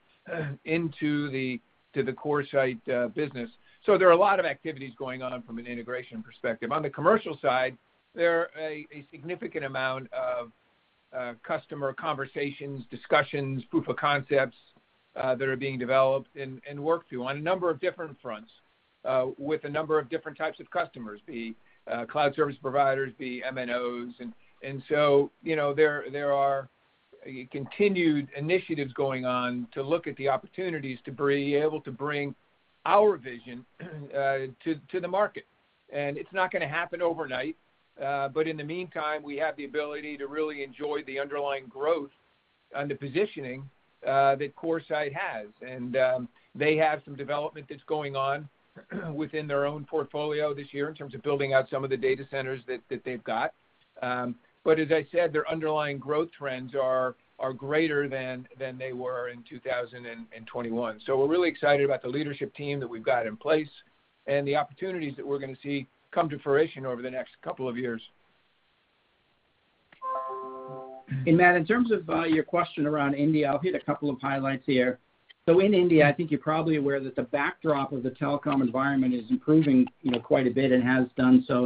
into the CoreSite business. There are a lot of activities going on from an integration perspective. On the commercial side, there are a significant amount of customer conversations, discussions, proof of concepts that are being developed and worked through on a number of different fronts, with a number of different types of customers, be it cloud service providers, be it MNOs. There are continued initiatives going on to look at the opportunities to be able to bring our vision to the market. It's not going to happen overnight, but in the meantime, we have the ability to really enjoy the underlying growth and the positioning that CoreSite has. They have some development that's going on within their own portfolio this year in terms of building out some of the data centers that they've got. As I said, their underlying growth trends are greater than they were in 2021. We're really excited about the leadership team that we've got in place and the opportunities that we're going to see come to fruition over the next couple of years. Matt, in terms of your question around India, I'll hit a couple of highlights here. In India, I think you're probably aware that the backdrop of the telecom environment is improving, you know, quite a bit and has done so,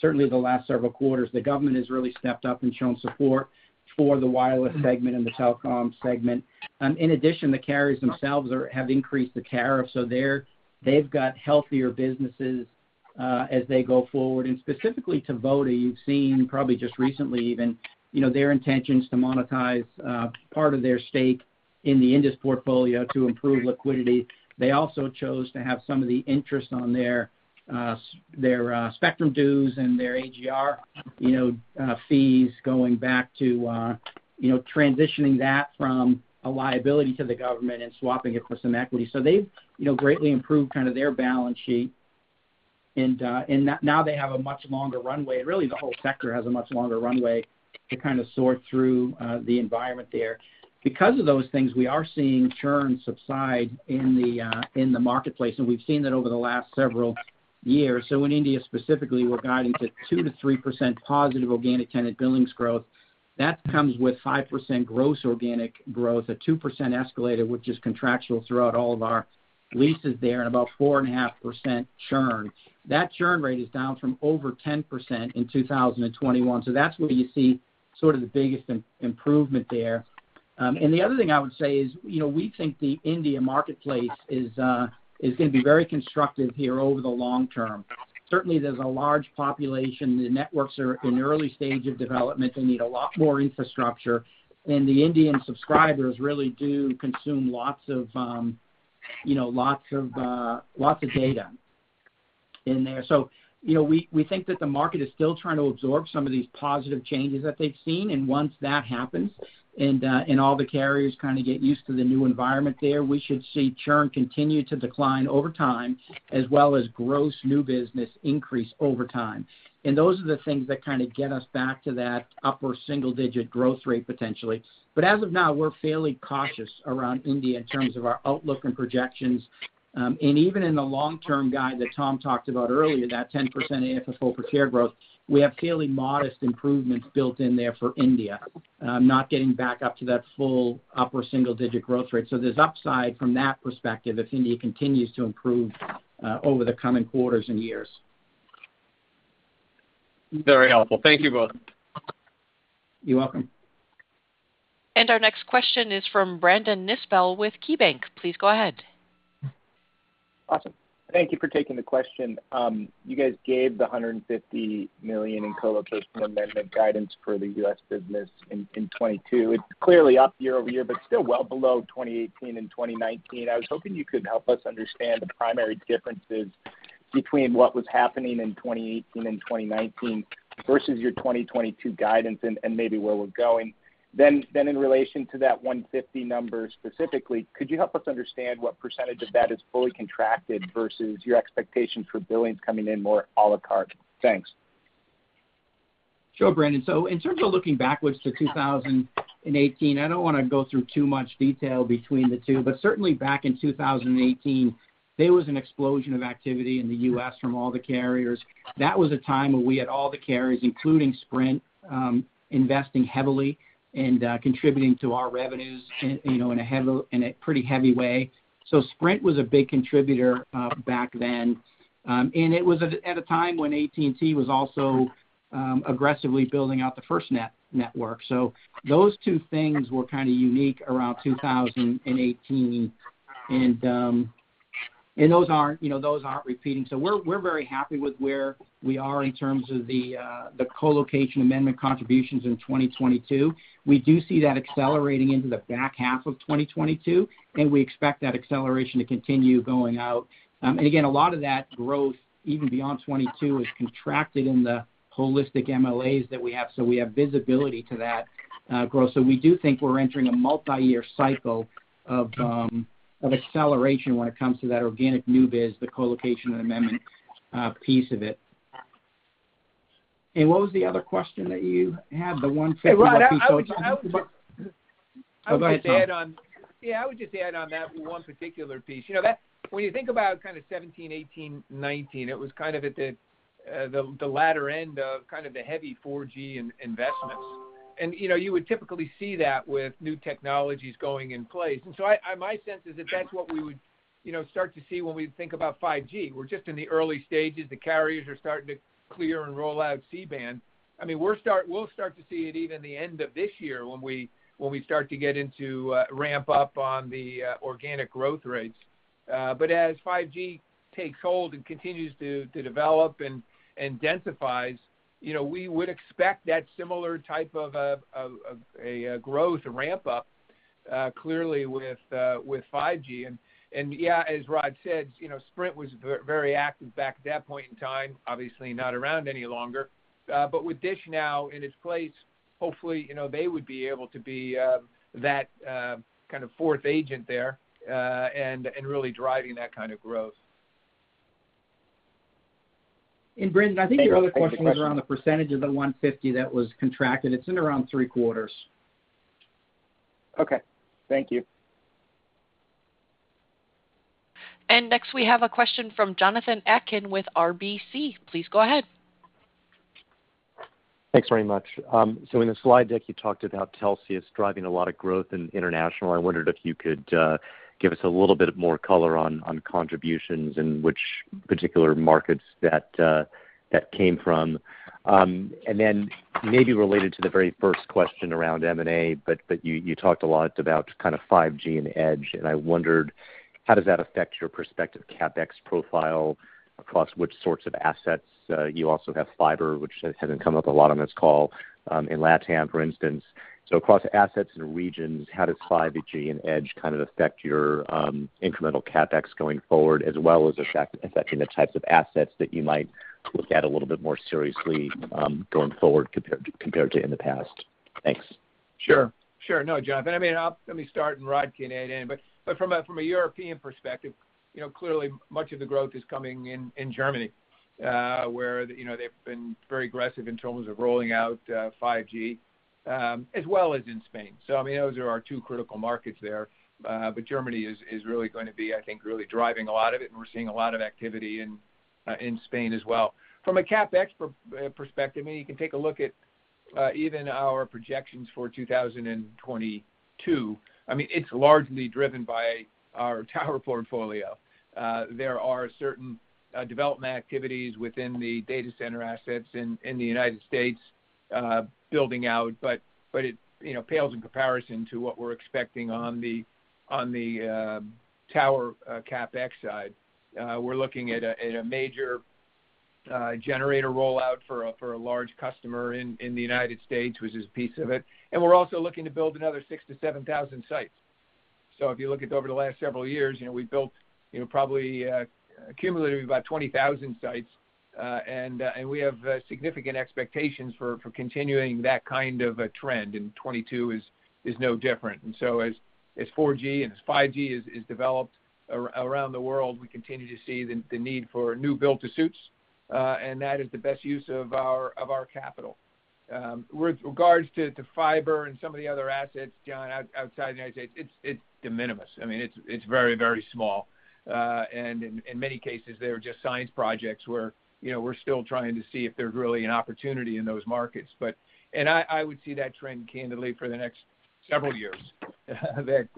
certainly, the last several quarters. The government has really stepped up and shown support for the wireless segment and the telecom segment. In addition, the carriers themselves have increased the tariff, so they've got healthier businesses as they go forward. Specifically to Voda, you've seen probably just recently even, you know, their intentions to monetize part of their stake in the Indus portfolio to improve liquidity. They also chose to have some of the interest on their spectrum dues and their AGR, you know, fees going back to, you know, transitioning that from a liability to the government and swapping it for some equity. They've, you know, greatly improved kind of their balance sheet and now they have a much longer runway, and really, the whole sector has a much longer runway to kind of sort through the environment there. Because of those things, we are seeing churn subside in the marketplace, and we've seen that over the last several years. In India specifically, we're guiding to 2% to 3% positive organic tenant billings growth. That comes with 5% gross organic growth, a 2% escalator, which is contractual throughout all of our leases there, and about 4.5% churn. That churn rate is down from over 10% in 2021. That's where you see sort of the biggest improvement there. The other thing I would say is, you know, we think the India marketplace is going to be very constructive here over the long term. Certainly, there's a large population. The networks are in the early stage of development. They need a lot more infrastructure. The Indian subscribers really do consume lots of data in there. We think that the market is still trying to absorb some of these positive changes that they've seen. Once that happens and all the carriers kind of get used to the new environment there, we should see churn continue to decline over time, as well as gross new business increase over time. Those are the things that kind of get us back to that upper single-digit growth rate potentially. As of now, we're fairly cautious around India in terms of our outlook and projections. Even in the long-term guide that Tom talked about earlier, that 10% AFFO per share growth, we have fairly modest improvements built in there for India, not getting back up to that full upper single-digit growth rate. There's upside from that perspective if India continues to improve over the coming quarters and years. Very helpful. Thank you both. You're welcome. Our next question is from Brandon Nispel with KeyBanc. Please go ahead. Awesome. Thank you for taking the question. You guys gave the $150 million in colocation amendment guidance for the U.S. business in 2022. It's clearly up year-over-year, but still well below 2018 and 2019. I was hoping you could help us understand the primary differences between what was happening in 2018 and 2019 versus your 2022 guidance and maybe where we're going. Then in relation to that 150 number specifically, could you help us understand what percentage of that is fully contracted versus your expectations for billings coming in more a la carte? Thanks. Sure, Brandon. In terms of looking backwards to 2018, I don't want to go through too much detail between the two, but certainly, back in 2018, there was an explosion of activity in the U.S. from all the carriers. That was a time when we had all the carriers, including Sprint, investing heavily and contributing to our revenues, you know, in a pretty heavy way. Sprint was a big contributor back then. It was at a time when AT&T was also aggressively building out the FirstNet network. Those two things were kind of unique around 2018. Those aren't, you know, repeating. We're very happy with where we are in terms of the colocation amendment contributions in 2022. We do see that accelerating into the back half of 2022 and we expect that acceleration to continue going out. Again, a lot of that growth, even beyond 2022, is contracted in the holistic MLAs that we have, so we have visibility to that growth. We do think we're entering a multiyear cycle of acceleration when it comes to that organic new biz, the colocation and amendment piece of it. What was the other question that you had? The 150 piece. Hey, Rod, I would just. Oh, go ahead, Tom. I would just add on that one particular piece. When you think about kind of 2017, 2018, 2019, it was kind of at the latter end of kind of the heavy 4G investments. You would typically see that with new technologies going in place. My sense is that that's what we would start to see when we think about 5G. We're just in the early stages. The carriers are starting to clear and roll out C-band. I mean, we'll start to see it even at the end of this year when we start to get into ramp up on the organic growth rates. As 5G takes hold and continues to develop and densifies, you know, we would expect that similar type of a growth ramp up, clearly with 5G. Yeah, as Rod said, you know, Sprint was very active back at that point in time. Obviously not around any longer. With DISH now in its place, hopefully, you know, they would be able to be that kind of fourth agent there and really driving that kind of growth. Brandon, I think your other question was around the percentage of the $150 that was contracted. It's around three quarters. Okay. Thank you. Next, we have a question from Jonathan Atkin with RBC. Please go ahead. Thanks very much. In the slide deck, you talked about Telxius driving a lot of growth in international. I wondered if you could give us a little bit more color on contributions and which particular markets that came from. Then maybe related to the very first question around M&A, but you talked a lot about kind of 5G and Edge, and I wondered how does that affect your prospective CapEx profile across which sorts of assets? You also have fiber, which hasn't come up a lot on this call, in LatAm, for instance. Across assets and regions, how does 5G and Edge kind of affect your incremental CapEx going forward as well as affecting the types of assets that you might looked at a little bit more seriously going forward compared to in the past? Thanks. Sure. No, Jonathan. I mean, Let me start, and Rod can add in. From a European perspective, you know, clearly much of the growth is coming in Germany, where you know, they've been very aggressive in terms of rolling out 5G as well as in Spain. I mean, those are our two critical markets there. Germany is really going to be, I think, really driving a lot of it, and we're seeing a lot of activity in Spain as well. From a CapEx perspective, I mean, you can take a look at even our projections for 2022. I mean, it's largely driven by our Tower portfolio. There are certain development activities within the data center assets in the United States, building out, but it you know pales in comparison to what we're expecting on the Tower CapEx side. We're looking at a major generator rollout for a large customer in the United States, which is a piece of it. We're also looking to build another 6,000 sites to 7,000 sites. If you look back over the last several years, you know we've built you know probably cumulatively about 20,000 sites. We have significant expectations for continuing that kind of a trend and 2022 is no different. As 4G and 5G is developed around the world, we continue to see the need for new build-to-suits and that is the best use of our capital. With regards to fiber and some of the other assets, John, outside the United States, it's de minimis. I mean, it's very small. In many cases, they were just science projects where, you know, we're still trying to see if there's really an opportunity in those markets. I would see that trend candidly for the next several years, that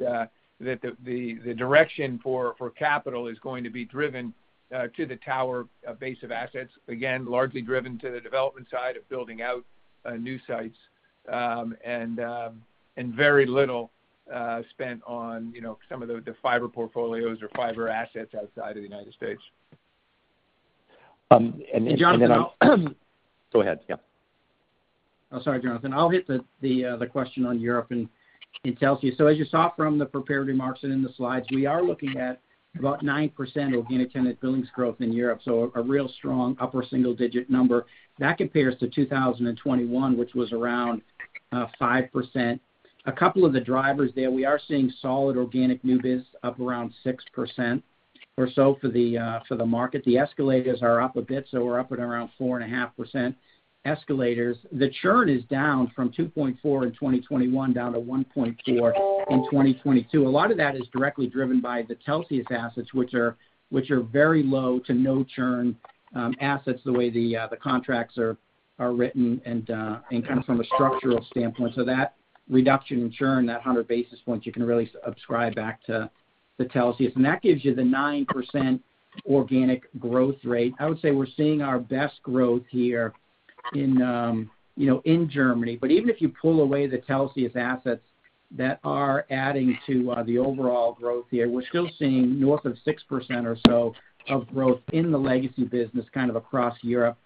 the direction for capital is going to be driven to the Tower base of assets, again, largely driven to the development side of building out new sites, and very little spent on, you know, some of the fiber portfolios or fiber assets outside of the United States. Go ahead. Yeah. Oh, sorry, Jonathan. I'll hit the question on Europe and sales. As you saw from the prepared remarks and in the slides, we are looking at about 9% organic tenant billings growth in Europe so a real strong upper single digit number. That compares to 2021, which was around 5%. A couple of the drivers there, we are seeing solid organic new biz up around 6% or so for the market. The escalators are up a bit, so we're up at around 4.5% escalators. The churn is down from 2.4% in 2021 down to 1.4% in 2022. A lot of that is directly driven by the Celsius assets, which are very low to no churn assets, the way the contracts are written and kind of from a structural standpoint. That reduction in churn, that 100 basis points, you can really subscribe back to Telxius. That gives you the 9% organic growth rate. I would say we're seeing our best growth here in, you know, in Germany. Even if you pull away the Telxius assets that are adding to the overall growth here, we're still seeing north of 6% or so of growth in the legacy business kind of across Europe.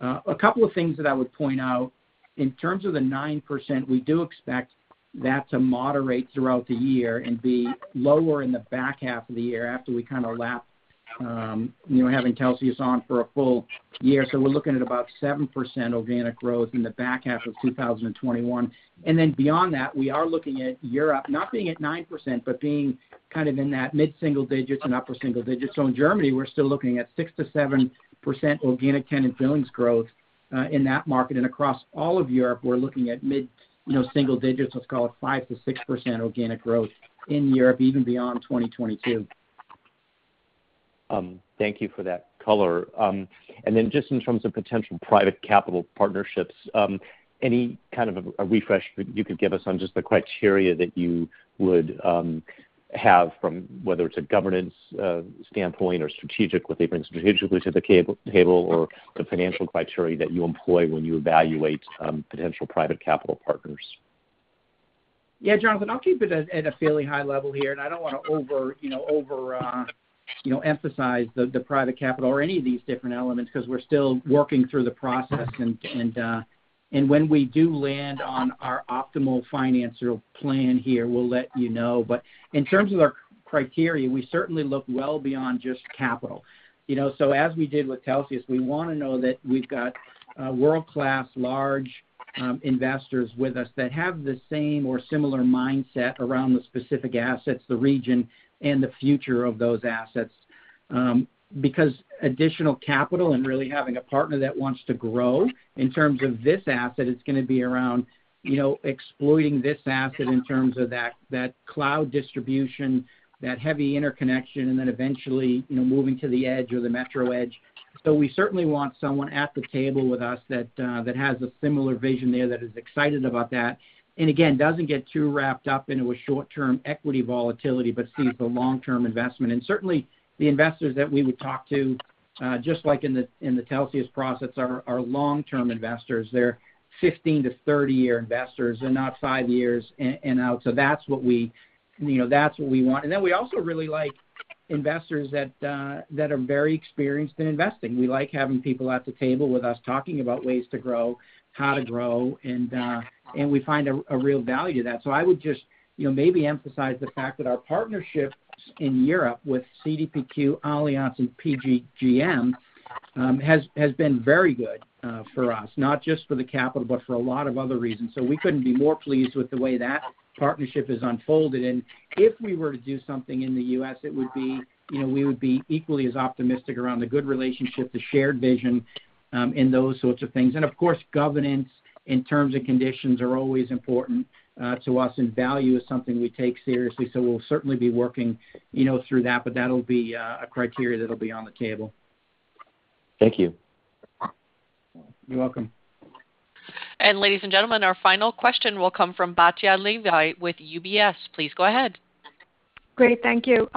A couple of things that I would point out. In terms of the 9%, we do expect that to moderate throughout the year and be lower in the back half of the year after we kind of lap having Telxius on for a full-year. We're looking at about 7% organic growth in the back half of 2021. Then beyond that, we are looking at Europe not being at 9%, but being kind of in that mid-single digits and upper-single digits. In Germany, we're still looking at 6% to 7% organic tenant billings growth in that market. Across all of Europe, we're looking at mid-single digits, let's call it 5% to 6% organic growth in Europe even beyond 2022. Thank you for that color. In terms of potential private capital partnerships, any kind of refresh that you could give us on just the criteria that you would have from whether it's a governance standpoint or strategic, what they bring strategically to the table or the financial criteria that you employ when you evaluate potential private capital partners? Yeah. Jonathan, I'll keep it at a fairly high level here. I don't want to overemphasize the private capital or any of these different elements because we're still working through the process. You know, when we do land on our optimal financial plan here, we'll let you know. In terms of our criteria, we certainly look well beyond just capital. As we did with Telxius, we want to know that we've got world-class, large investors with us that have the same or similar mindset around the specific assets, the region, and the future of those assets. Because additional capital and really having a partner that wants to grow in terms of this asset is going to be around, you know, exploiting this asset in terms of that cloud distribution, that heavy interconnection, and then eventually, you know, moving to the edge or the metro edge. We certainly want someone at the table with us that has a similar vision there that is excited about that and again, doesn't get too wrapped up into a short-term equity volatility, but sees the long-term investment. Certainly, the investors that we would talk to, just like in the CoreSite process are long-term investors. They're 15-year to to 30-year investors. They're not five years and out. That's what we, you know, that's what we want. We also really like investors that are very experienced in investing. We like having people at the table with us talking about ways to grow, how to grow, and we find a real value to that. I would just, you know, maybe emphasize the fact that our partnerships in Europe with CDPQ, Allianz, and PGGM has been very good for us, not just for the capital, but for a lot of other reasons. We couldn't be more pleased with the way that partnership has unfolded. If we were to do something in the U.S., it would be, you know, we would be equally as optimistic around the good relationship, the shared vision, and those sorts of things, and, of course, governance and terms and conditions are always important to us, and value is something we take seriously, so we'll certainly be working, you know, through that, but that'll be a criteria that'll be on the table. Thank you. You're welcome. Ladies and gentlemen, our final question will come from Batya Levi with UBS. Please go ahead. Great. Thank you.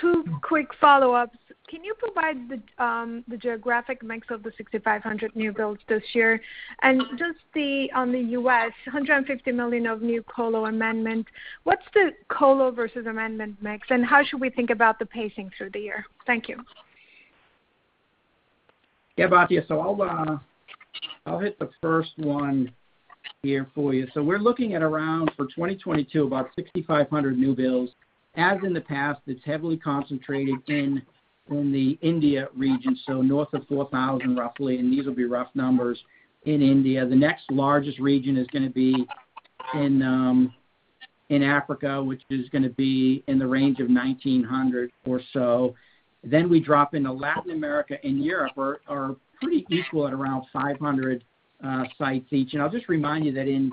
Two quick follow-ups. Can you provide the geographic mix of the 6,500 new builds this year? ON the U.S., $150 million of new colo amendment, what's the colo versus amendment mix, and how should we think about the pacing through the year? Thank you. Yeah. Batya, I'll hit the first one here for you. We're looking at around, for 2022, about 6,500 new builds. As in the past, it's heavily concentrated in the India region, so north of 4,000, roughly, and these will be rough numbers, in India. The next largest region is going to be in Africa, which is going to be in the range of 1,900 or so. Then we drop into Latin America and Europe, which are pretty equal at around 500 sites each. I'll just remind you that in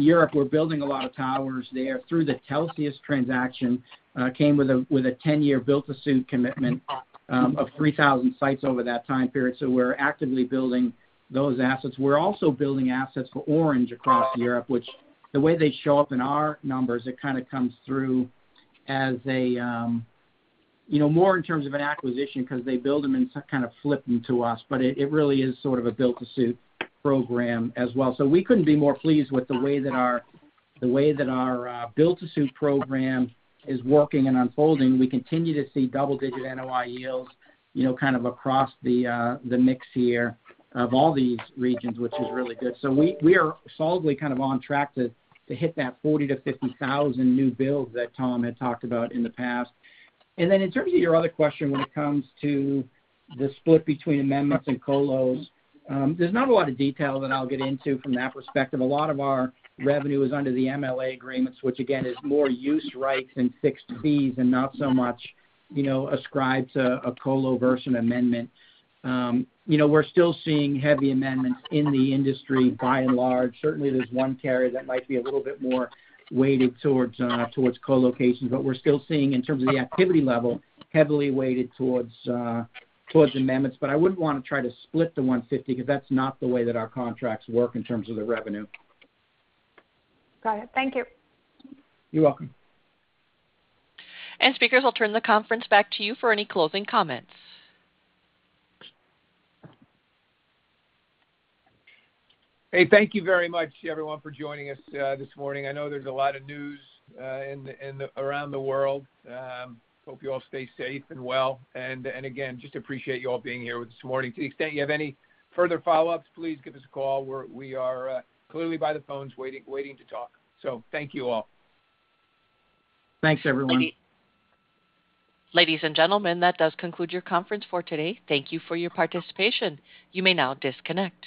Europe, we're building a lot of towers there through the Telxius transaction, which came with a 10-year build-to-suit commitment of 3,000 sites over that time period, so we're actively building those assets. We're also building assets for Orange across Europe, which the way they show up in our numbers, it kinda comes through as a, you know, more in terms of an acquisition 'cause they build them and kind of flip them to us. It really is sort of a build-to-suit program as well. We couldn't be more pleased with the way that our build-to-suit program is working and unfolding. We continue to see double-digit NOI yields, you know, kind of across the mix here of all these regions, which is really good. We are solidly kind of on track to hit that 40,000 to 50,000 new builds that Tom had talked about in the past. In terms of your other question when it comes to the split between amendments and colos, there's not a lot of detail that I'll get into from that perspective. A lot of our revenue is under the MLA agreements, which again, is more use rights and fixed fees and not so much, you know, ascribed to a colo versus an amendment. We're still seeing heavy amendments in the industry by and large. Certainly, there's one carrier that might be a little bit more weighted towards colocation, but we're still seeing, in terms of the activity level, heavily weighted towards amendments. I wouldn't want to try to split the $150 because that's not the way that our contracts work in terms of the revenue. Got it. Thank you. You're welcome. Speakers, I'll turn the conference back to you for any closing comments. Hey, thank you very much, everyone for joining us this morning. I know there's a lot of news around the world. I hope you all stay safe and well. I appreciate you all being here with us this morning. To the extent you have any further follow-ups, please give us a call. We are clearly by the phones waiting to talk. Thank you all. Thanks, everyone. Ladies and gentlemen, that does conclude your conference for today. Thank you for your participation. You may now disconnect.